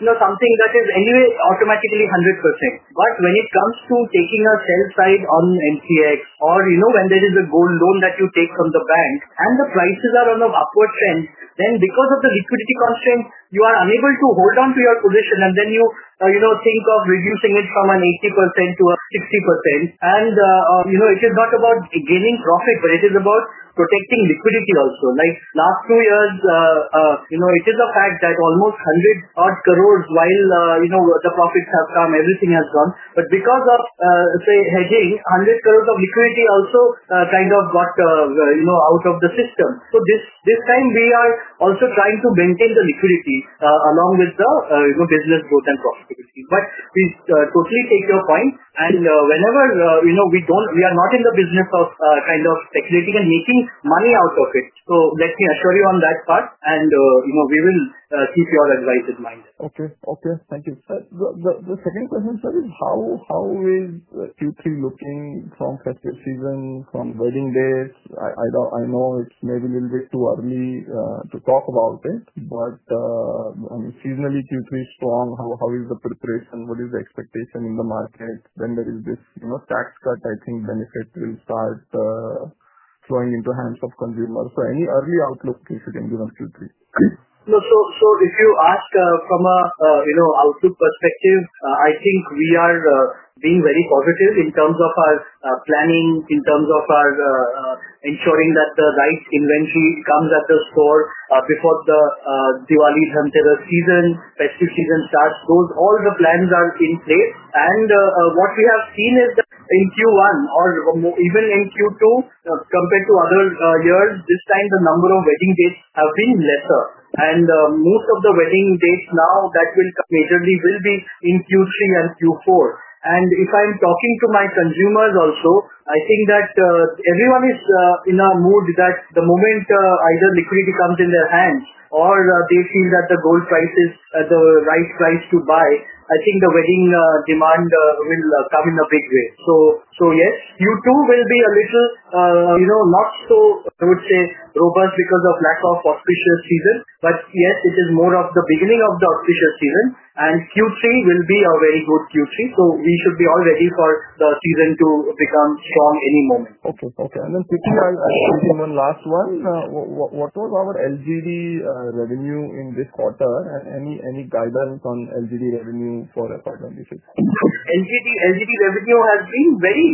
you know, something that is anyway automatically 100%. When it comes to taking a sell side on NTX or, you know, when there is a gold loan that you take from the bank and the prices are on the upward trend, then because of the liquidity constraint, you are unable to hold on to your position. You, you know, think of reducing it from an 80% to a 60%. It is not about gaining profit, but it is about protecting liquidity also. Like last two years, you know, it is a fact that almost 100 crore while, you know, the profits have come, everything has gone. Because of, say, hedging, 100 crore of liquidity also kind of got, you know, out of the system. This time we are also trying to maintain the liquidity along with the, you know, business growth and cost. I totally take your point. Whenever, you know, we don't, we are not in the business of kind of taking and making money out of it. Let me assure you on that part. We will keep your advice in mind. Okay. Thank you. The second question, sir, is how is Q3 looking from festive season? From wedding days? I know it's maybe a little bit too early to talk about it. I mean, seasonally, Q3 is strong. How is the preparation? What is the expectation in the market? There is this, you know, tax cut. I think benefit will start flowing into the hands of consumers. Any early outlook you can give us Q3, please? No. If you ask from an outlook perspective, I think we are being very positive in terms of our planning, in terms of ensuring that the night's inventory comes at the store before the Diwali Hunt season festive season starts. All the plans are in place. What we have seen is that in Q1 or even in Q2, compared to other years, this time the number of wedding dates has been lesser. Most of the wedding dates now will majorly be in Q3 and Q4. If I'm talking to my consumers also, I think that everyone is in a mood that the moment either liquidity comes in their hands or they feel that the gold price is the right price to buy, the wedding demand will come in a big way. Yes, Q2 will be a little, you know, not so, I would say, robust because of lack of auspicious season. It is more of the beginning of the auspicious season. Q3 will be a very good Q3. We should be all ready for the season to become strong any moment. Okay. Okay. I'll move on to the last one. What about lab-grown diamond jewelry revenue in this quarter? Any guidance on lab-grown diamond jewelry revenue for a quarter? LGD revenue has been very,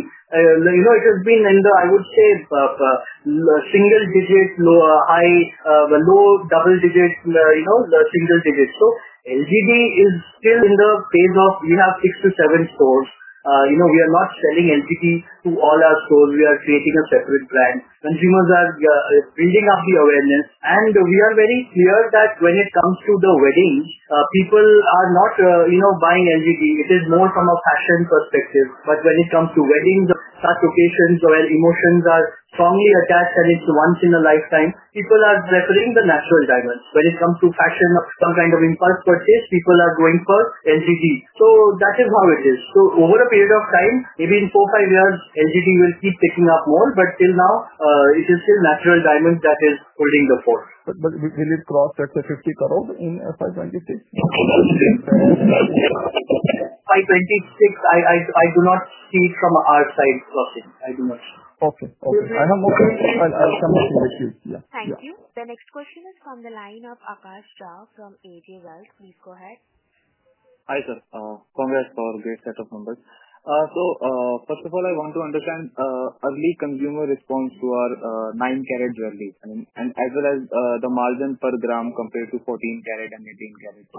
you know, it has been in the, I would say, a single-digit, lower, high, low double-digit, you know, the single-digit. LGD is still in the phase of we have six to seven stores. We are not selling LGD to all our stores. We are creating a separate brand. Consumers are building up the awareness. We are very clear that when it comes to the wedding, people are not, you know, buying LGD. It is more from a fashion perspective. When it comes to weddings, such occasions where emotions are strongly attached and it's once in a lifetime, people are preferring the natural diamond. When it comes to fashion, some kind of impulse purchase, people are going for LGD. That is how it is. Over a period of time, maybe in four or five years, LGD will keep picking up more. Till now, it is still natural diamond that is holding the force. Will it cross 50 crore in FY 2026? FY 2026 I do not see from our side of it. I do not see. Okay. I have no clarity. I'll come back in the Q3. Thank you. The next question is from the line of Akash Shah from AnandRathi Shares and Stock Brokers Limited. Please go ahead. Hi, sir. Congrats for a great set of numbers. First of all, I want to understand early consumer response to our 9K jewelry as well as the margin per gram compared to 14K and 18K. The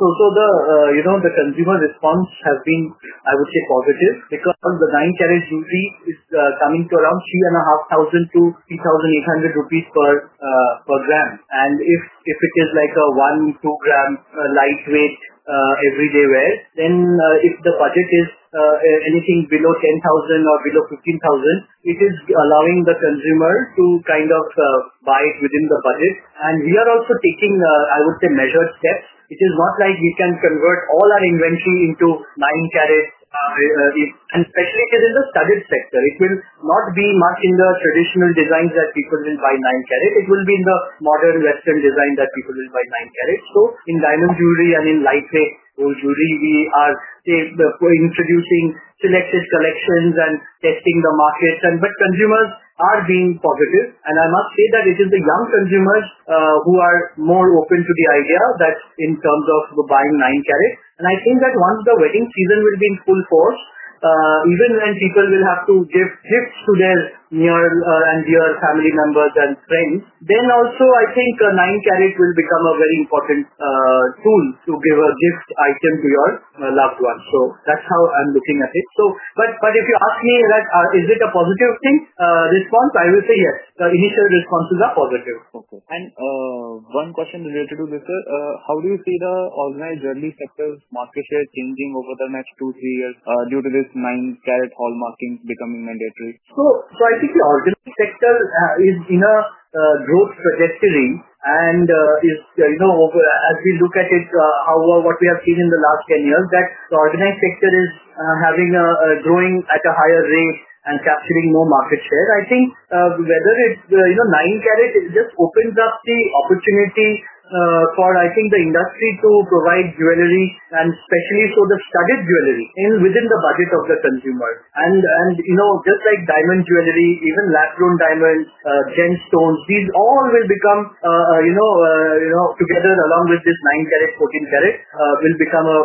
consumer response has been, I would say, positive because on the 9K jewelry, it is coming to around 3,500 to 3,800 rupees per gram. If it is like a 1 g or 2 g lightweight everyday wear, then if the budget is anything below 10,000 or below 15,000, it is allowing the consumer to kind of buy it within the budget. We are also taking, I would say, measured steps. It is not like we can convert all our inventory into 9K. Especially because in the studies sector, it will not be much in the traditional designs that people will buy 9K. It will be in the modern Western design that people will buy 9K. In diamond jewelry and in lightweight jewelry, we are, say, introducing synthesis collections and testing the markets. Consumers are being positive. I must say that it is the young consumers who are more open to the idea in terms of buying 9K. I think that once the wedding season will be in full force, even when people will have to give gifts to their near and dear family members and friends, then also, I think a 9K will become a very important tool to give a gift item to your loved ones. That's how I'm looking at it. If you ask me that is it a positive response, I would say yes. The initial responses are positive. One question related to this, sir. How do you see the organized jewelry sector's market share changing over the next two, three years due to this 9K hallmarking becoming mandatory? I think the organized sector is in a growth trajectory. As we look at it, what we have seen in the last 10 years is that the organized sector is growing at a higher rate and capturing more market share. Whether it's the 9K, it just opens up the opportunity for the industry to provide jewelry, especially for the studied jewelry within the budget of the consumer. Just like diamond jewelry, even lab-grown diamonds, gemstones, these all will come together along with this 9K, 14K will become a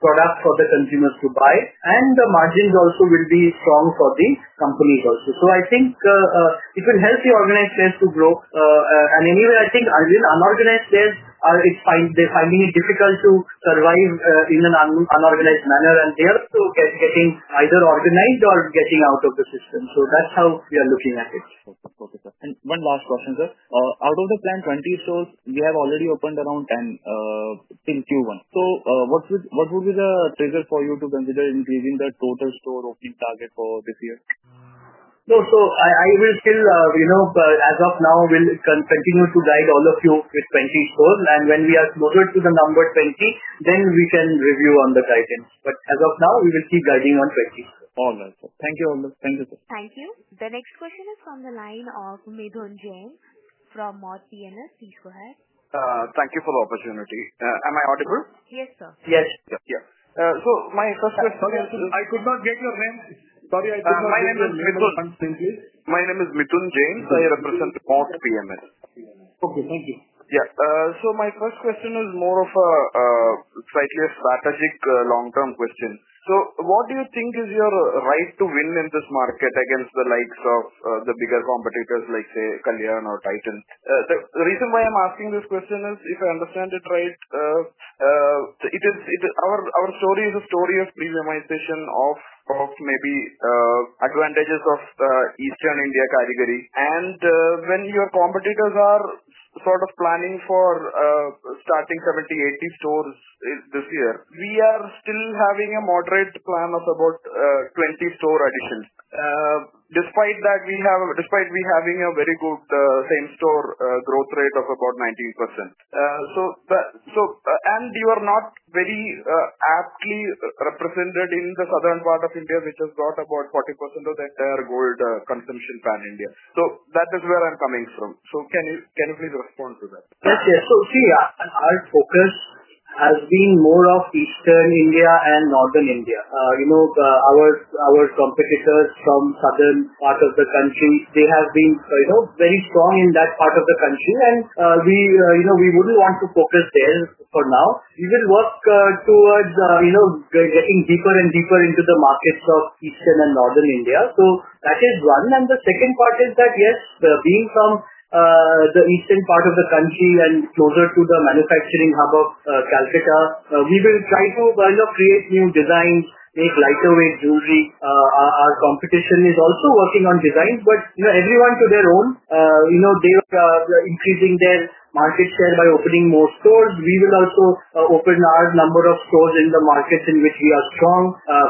product for the consumers to buy. The margins also will be strong for the companies. I think it will help the organized sales to grow. Anyway, I think unorganized sales are finding it difficult to survive in an unorganized manner. They are still getting either organized or getting out of the system. That's how we are looking at it. Okay, sir. One last question, sir. Out of the planned 20 stores, you have already opened around 10 in Q1. What would be the trigger for you to consider increasing the total store opening target for this year? I will still, you know, as of now, we'll continue to guide all of you with 20 stores. When we are closer to the number 20, then we can review on the guidance. As of now, we will keep guiding on 20. All right. Thank you all. Thank you. Thank you. The next question is from the line of Medun Jain from Moth PMS. Please go ahead. Thank you for the opportunity. Am I audible? Yes, sir. Yes. Yes. My question is, sir, I could not get your name. Sorry, I thought. My name is Mitchell James. I represent Moth PMS. Okay, thank you. Yeah. My first question is more of a slightly strategic long-term question. What do you think is your right to win in this market against the likes of the bigger competitors like, say, Titan? The reason why I'm asking this question is, if I understand it right, our story is a story of premiumization of maybe advantages of Eastern India category. When your competitors are sort of planning for starting 70, 80 stores this year, we are still having a moderate plan of about 20 store additions. Despite that, we have a very good same-store growth rate of about 19%. You are not very aptly represented in the southern part of India, which has got about 40% of the entire gold consumption plan in India. That is where I'm coming from. Can you please respond to that? Yes, yes. Our focus has been more on Eastern India and Northern India. Our competitors from the southern part of the country have been very strong in that part of the country, and we wouldn't want to focus there for now. We will work towards getting deeper and deeper into the markets of Eastern and Northern India. That is one. The second part is that, yes, being from the eastern part of the country and closer to the manufacturing hub of Calcutta, we will try to create new designs, these lighter weight jewelry. Our competition is also working on design, but everyone to their own. They are increasing their market share by opening more stores. We will also open our number of stores in the markets in which we are strong,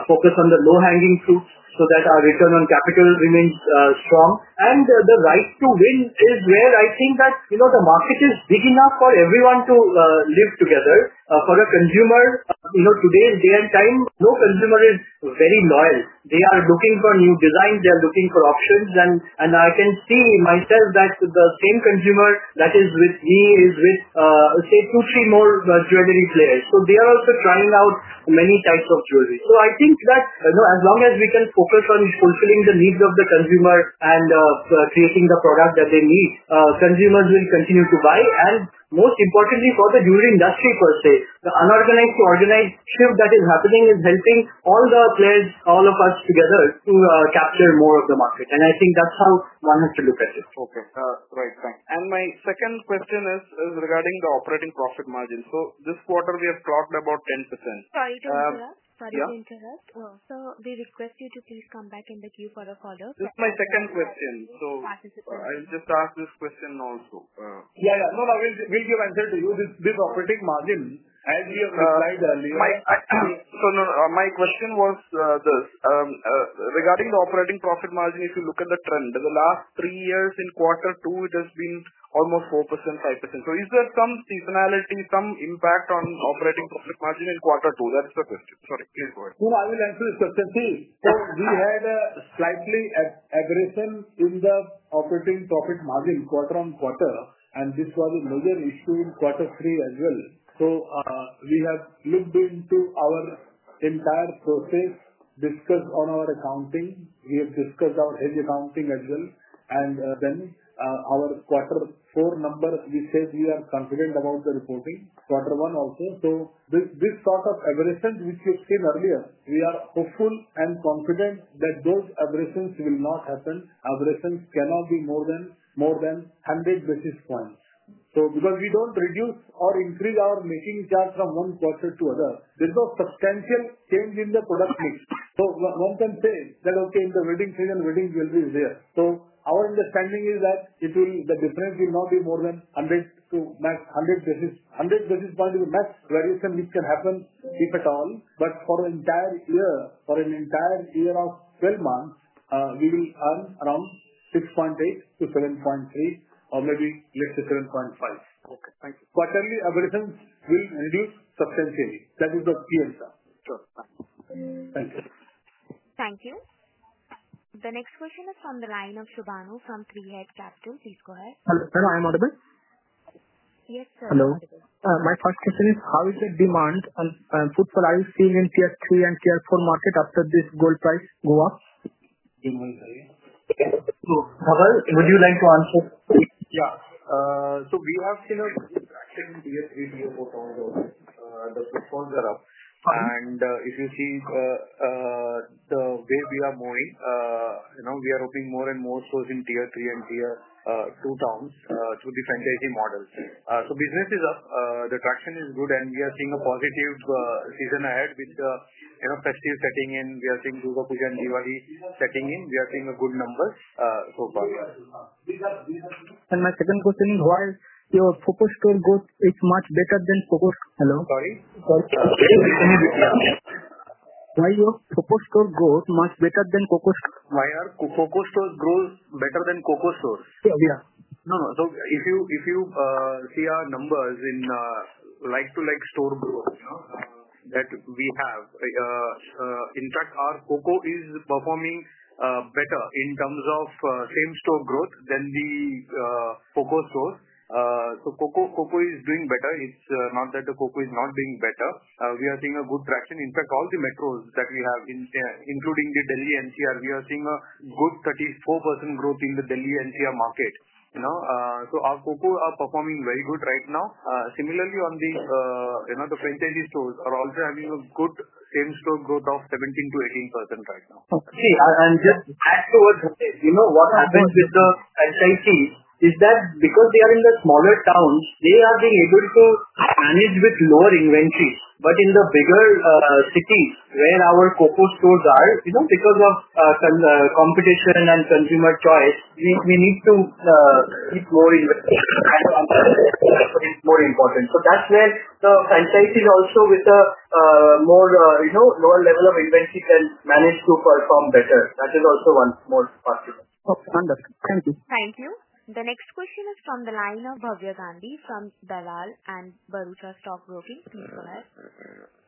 focus on the low-hanging fruit so that our return on capital remains strong. The right to win is where I think that the market is big enough for everyone to live together. For a consumer, today in day and time, no consumer is very loyal. They are looking for new designs. They are looking for options. I can see myself that the same consumer that is with me is with, say, pretty more jewelry players. They are also trying out many types of jewelry. I think that as long as we can focus on fulfilling the needs of the consumer and creating the product that they need, consumers will continue to buy. Most importantly, for the jewelry industry per se, the unorganized jewelry that is happening is helping all the players, all of us together to capture more of the market. I think that's how one has to look at it. Okay. Right, right. My second question is regarding the operating profit margin. This quarter, we have clocked about 10%. Sorry to interrupt. We request you to please come back in the queue for a call-up. That's my second question. I'll just ask this question also. We'll give answer to you. This operating margin, as you have read earlier. My question was this. Regarding the operating profit margin, if you look at the trend, the last three years in quarter two, it has been almost 4%, 5%. Is there some seasonality, some impact on operating profit margin in quarter two? That is the question. Please go ahead. No, I will answer this question. See, we had a slightly aggression in the operating profit margin quarter on quarter. This was a major issue in quarter three as well. We have looked into our entire process, discussed all our accounting, we have discussed our hedge accounting as well. Then our quarter four number, we said we are confident about the reporting quarter one also. This sort of aggression which you've seen earlier, we are hopeful and confident that those aggressions will not happen. Aggressions cannot be more than 100 basis points. Because we don't reduce or increase our making charges from one quarter to other, there's no substantial change in the product mix. One can say that, okay, in the wedding season, wedding jewelry is there. Our understanding is that it will, the difference will not be more than 100 basis points to max 100 basis points. 100 basis points is the max variation which can happen if at all. For an entire year, for an entire year of 12 months, we will earn around 6.8% to 7.3% or maybe let's say 7.5%. Okay, thank you. Quarterly aggressions will reduce substantially. That is the key answer. Sure. Thank you. The next question is from the line of Suvankar from 3H Capital. Please go ahead. Hello. I'm Arvind. Yes, sir. Hello. My first question is, how is the demand and food supplies seen in tier 3 and tier 4 market after this gold price go up? Sorry, would you like to answer? Yeah. We have seen in tier three, tier four towns, the footfalls are up. If you see the way we are moving, we are opening more and more stores in tier three and tier two towns through the franchise model. Business is up, the traction is good, and we are seeing a positive season ahead with the festive setting in. We are seeing Dhanteras and Diwali setting in. We are seeing a good number. My second question, while your focus store growth is much better than COCO? Sorry? Sorry. Yeah. Why is your COCO store growth much better than COCO? Why are COCO stores growth better than COCO stores? Yeah. No. If you see our numbers in like-to-like store growth, we have, in fact, our COCO is performing better in terms of same-store growth than the COCO stores. COCO is doing better. It's not that the COCO is not doing better. We are seeing good traction. In fact, all the metros that we have, including the Delhi NCR, we are seeing a good 34% growth in the Delhi NCR market. Our COCO are performing very good right now. Similarly, the franchise model stores are also having a good same-store growth of 17% to 18% right now. See, just as to what happens with the franchisees, is that because they are in the smaller towns, they are being able to manage with lower inventory. In the bigger cities where our COCO stores are, you know, because of some competition and consumer choice, we need to keep growing and it's more important. That's where the franchisees also with the more, you know, lower level of inventory can manage to perform better. That is also one small part. Oh, wonderful. Thank you. Thank you. The next question is from the line of Bhavya Gandhi from Dalal & Barucha Stock Broking. Please go ahead.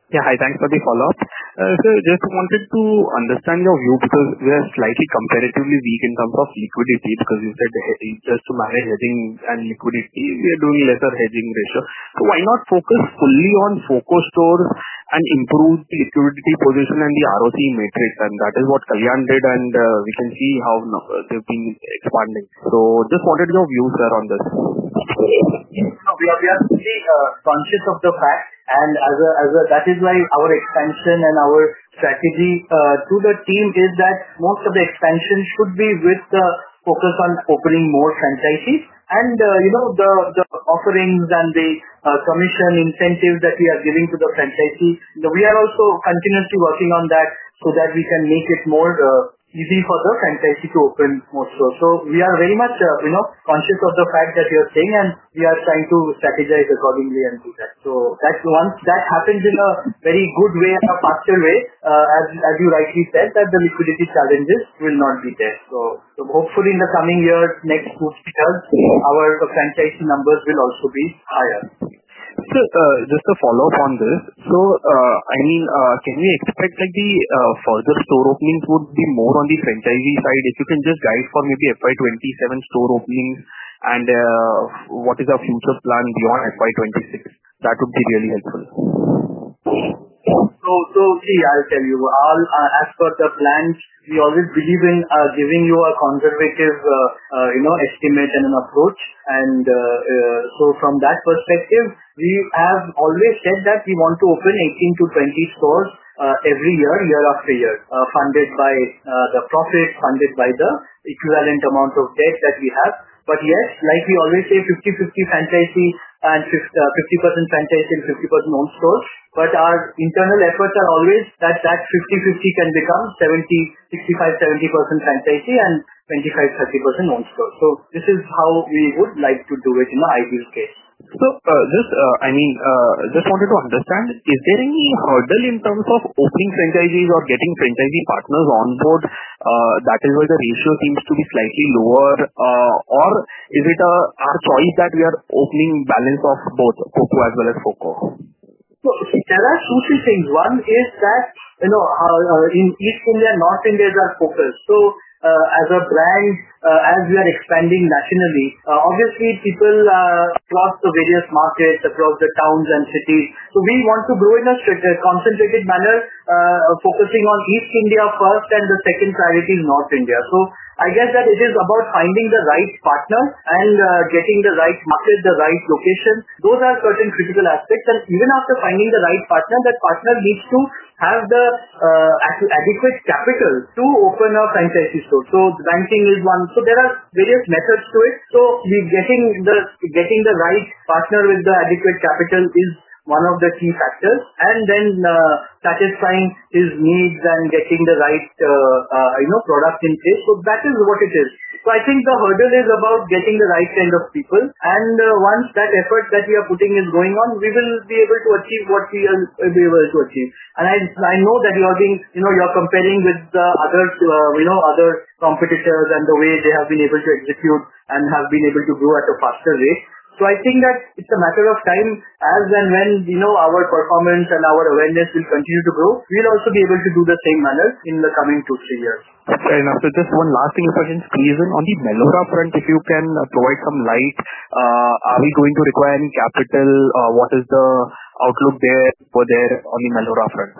Yeah. Hi. Thanks for the follow-up. Sir, just wanted to understand your view because we are slightly comparatively weak in terms of liquidity because you said it's just to marry hedging and liquidity. We are doing lesser hedging ratio. Why not focus fully on company-owned, company-operated stores and improve the liquidity position and the ROT matrix? That is what Kalyan did, and we can see how they've been expanding. Just what are your views there on this? We have seen conflicts of the craft. That is why our expansion and our strategy to the team is that most of the expansions should be with the focus on opening more franchisees. The offerings and the commission incentives that we are giving to the franchisees, we are also continuously working on that so that we can make it more easy for the franchisee to open more stores. We are very much conscious of the fact that you're saying, and we are trying to strategize accordingly and do that. That's one. That happens in a very good way, in a faster way. As you rightly said, the liquidity challenges will not be there. Hopefully, in the coming years, next to our franchisee numbers will also be higher. Sir, just a follow-up on this. Can you expect that the further store openings would be more on the franchise model side? If you can just guide for maybe FY 2027 store openings and what is our future plan beyond FY 2026, that would be really helpful. I'll tell you, all as per the plans, we always believe in giving you a conservative, you know, estimate and an approach. From that perspective, we have always said that we want to open 18 to 20 stores every year, year after year, funded by the profits, funded by the equivalent amount of debt that we have. Like we always say, 50% franchisee and 50% owned stores. Our internal efforts are always that that 50/50 can become 65%, 70% franchisee and 25%, 30% owned store. This is how we would like to do it in the ideal state. I just wanted to understand, is there any hurdle in terms of opening franchisees or getting franchisee partners on board? That is where the ratio seems to be slightly lower. Is it our choice that we are opening balance of both COCO as well as COCO? There are two, three things. One is that, you know, in East India and North India, there's focus. As a brand, as we are expanding nationally, obviously, people cross the various markets across the towns and cities. We want to grow in a concentrated manner, focusing on East India first, and the second priority is North India. I guess that it is about finding the right partner and getting the right footprint, the right location. Those are certain critical aspects. Even after finding the right partner, that partner needs to have the adequate capital to open a franchise model store. Banking is one. There are various methods to it. Getting the right partner with the adequate capital is one of the key factors, and then satisfying his needs and getting the right, you know, product in place. That is what it is. I think the hurdle is about getting the right kind of people. Once that effort that we are putting is going on, we will be able to achieve what we are able to achieve. I know that you are being, you know, you're comparing with the other, you know, other competitors and the way they have been able to execute and have been able to grow at a faster rate. I think that it's a matter of time as and when, you know, our performance and our awareness will continue to grow. We'll also be able to do the same manners in the coming two, three years. Fair enough. Just one last thing for the season on the Melora front. If you can provide some light, are we going to require any capital? What is the outlook there for the Melora front?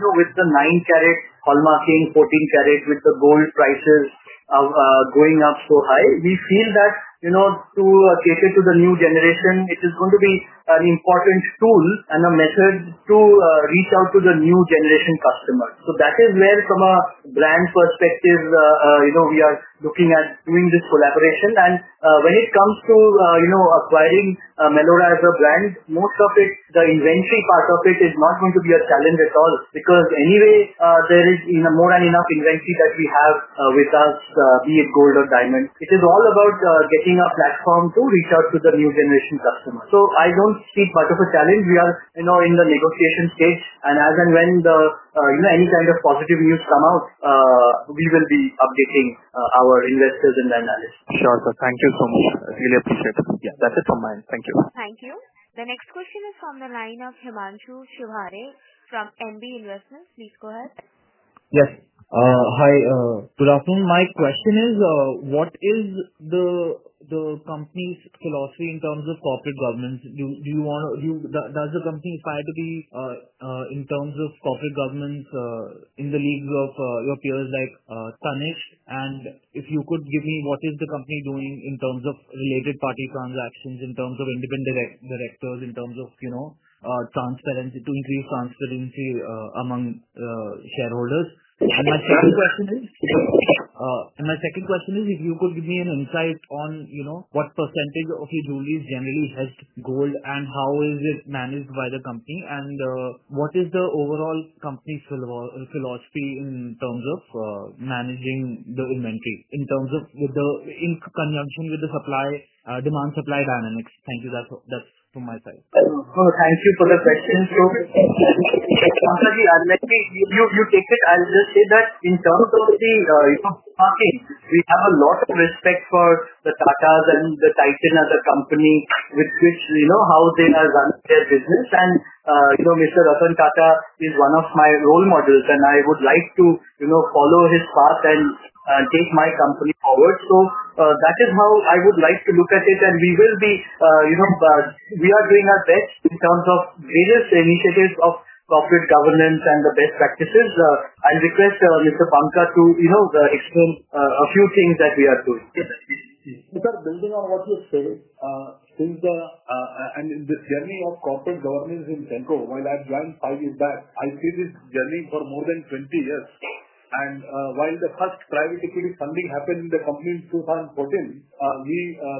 With the 9K hallmarking, 14K with the gold prices going up so high, we feel that to cater to the new generation, it is going to be an important tool and a method to reach out to the new generation customers. That is where from a brand perspective, we are looking at doing this collaboration. When it comes to acquiring Melora as a brand, most of it, the inventory part of it is not going to be a challenge at all because anyway, there is more than enough inventory that we have, be it gold or diamond. It is all about getting a platform to reach out to the new generation customers. I don't see part of a challenge. We are in the negotiation stage. As and when any kind of positive news comes out, we will be updating our investors and analysts. Sure. Thank you. I really appreciate it. Yeah, that's it from mine. Thank you. Thank you. The next question is from the line of Himanshu Sivare from NB Investments. Please go ahead. Yes. Hi. Good afternoon. My question is, what is the company's philosophy in terms of corporate governance? Do you want to, does the company fight to be in terms of corporate governance in the league of your peers like Tanishq? If you could give me, what is the company doing in terms of related party transactions, in terms of independent directors, in terms of transparency to increase transparency among the shareholders? My second question is, if you could give me an insight on what percentage of its jewelry is generally just gold and how is it managed by the company? What is the overall company's philosophy in terms of managing the inventory in conjunction with the supply-demand supply dynamics? Thank you. That's from my side. Thank you for the question. Thank you. Okay. You take it. I will just say that in terms of the, you know, party, we have a lot of respect for the Tatas and Titan as a company, which, you know, how they have run their business. You know, Mr. Ratan Tata is one of my role models. I would like to, you know, follow his path and get. My company forward. That is how I would like to look at it. We are doing our best in terms of various initiatives of corporate governance and the best practices. I request Mr. Banka to explain a few things that we are doing. Sure. Because building our office, and the journey of corporate governance in Senco, where I've gone five years back, I see this journey for more than 20 years. While the first private equity funding happened in the company in 2014, we,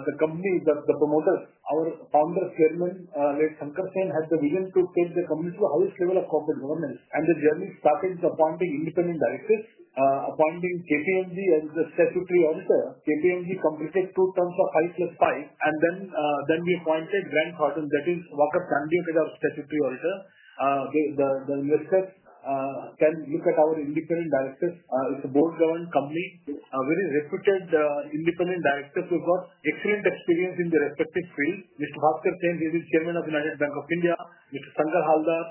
the company, the promoters, our Founder Chairman, like Senco had the vision to take the company to the highest level of corporate governance. The journey started with appointing independent directors, appointing KPMG as the secretarial auditor. KPMG completed two terms of highest stake. Then we appointed Grant Thornton, that is, Walker Sandy, as our secretarial auditor. The investors can look at our independent directors. It's a board-bound company. A very reputed independent director who has excellent experience in the respective fields. Mr. Hoster Sen, he's the Chairman of United Bank of India. Mr. Sange Haldar,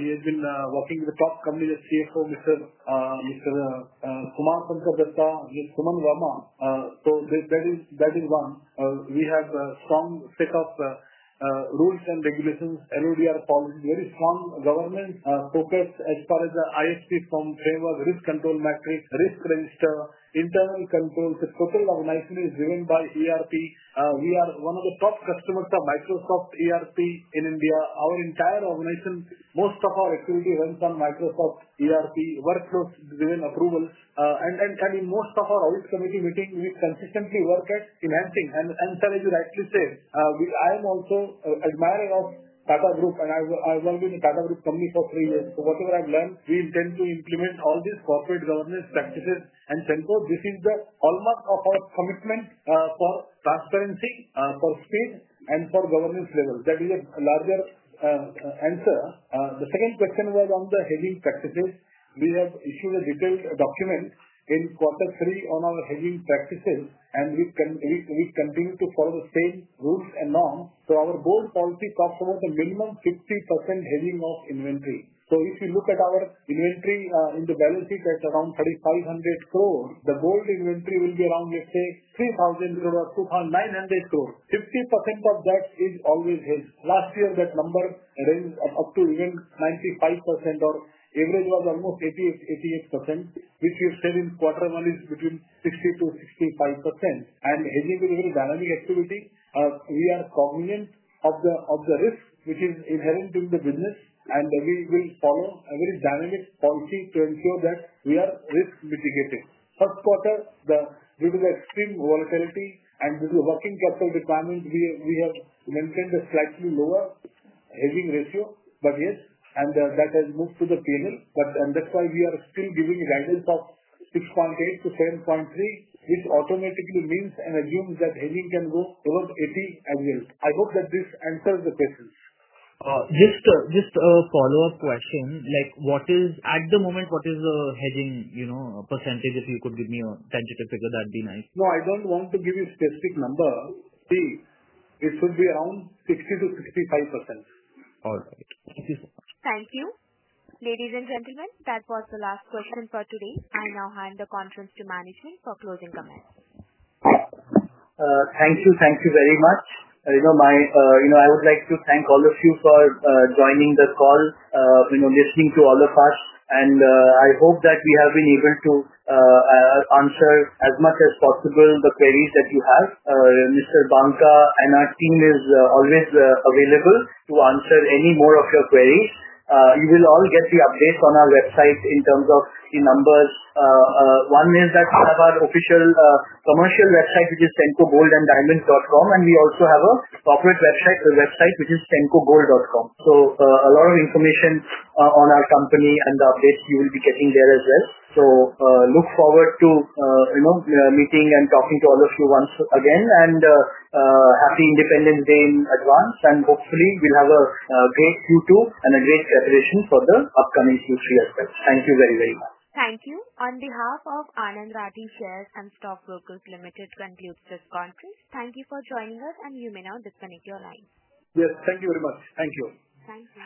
he has been working with the top company, the CFO, Mr. Kumar Kuntodatta, Mr. Kumar Varma. That is one. We have a strong set of rules and regulations, and we are following very strong governance papers as far as the ISP framework, risk control matrix, risk register, internal controls. The total organization is driven by ERP. We are one of the top customers of Microsoft ERP in India. Our entire organization, most of our activity runs on Microsoft ERP, workflows driven approvals. In most of our office committee meetings, we consistently work on financing. As you rightly said, I am also an admirer of Tata Group. I have been in a Tata Group company for three years. Whatever I've learned, we intend to implement all these corporate governance practices. Senco, this is the hallmark of our commitment for transparency, for speed, and for governance levels. That is a larger answer. The second question was on the hedging practices. We have issued a detailed document in quarter three on our hedging practices. We continue to follow the same routes and norms. Our gold policy comes from a minimum 50% hedging of inventory. If you look at our inventory in the balance sheet at around 3,500 crore, the gold inventory will be around, let's say, 3,000 crore, 900 crore. 50% of that is always hedged. Last year, that number ranged up to even 95%, or average was almost 88%, which we said in quarter one is between 60%-65%. Hedging is a very dynamic activity. We are cognizant of the risk, which is inherent in the business. We will follow a very dynamic policy to ensure that we are risk mitigated. First quarter, due to the extreme volatility and due to working person requirements, we have maintained a slightly lower hedging ratio. Yes, and that has moved to the P&L. That's why we are still giving guidance of 6.8%-7.3%. This automatically means and assumes that hedging can go over 80% again. I hope that this answers the questions. Just a follow-up question. What is, at the moment, what is the hedging percentage? If you could give me a tentative figure, that'd be nice. No, I don't want to give you a specific number. See, it should be around 60%-65%. All right. This is. Thank you. Ladies and gentlemen, that was the last question for today. I now hand the conference to Manish Singh for closing comments. Thank you. Thank you very much. I would like to thank all of you for joining the call, listening to all of us. I hope that we have been able to answer as much as possible the queries that you have. Mr. Banka and our team are always available to answer any more of your queries. You will all get the updates on our website in terms of the numbers. One is that we have our official commercial website, which is sencogoldanddiamonds.com. We also have a corporate website, which is sencogold.com. A lot of information on our company and the updates you will be getting there as well. I look forward to meeting and talking to all of you once again. Happy Independence Day in advance. Hopefully, we'll have a good Q2 and at least preparations for the upcoming Q3 as well. Thank you very, very much. Thank you. On behalf of AnandRathi Shares and Stock Brokers Limited, that concludes this conference. Thank you for joining us. You may now disconnect your lines. Yes, thank you very much. Thank you. Thank you.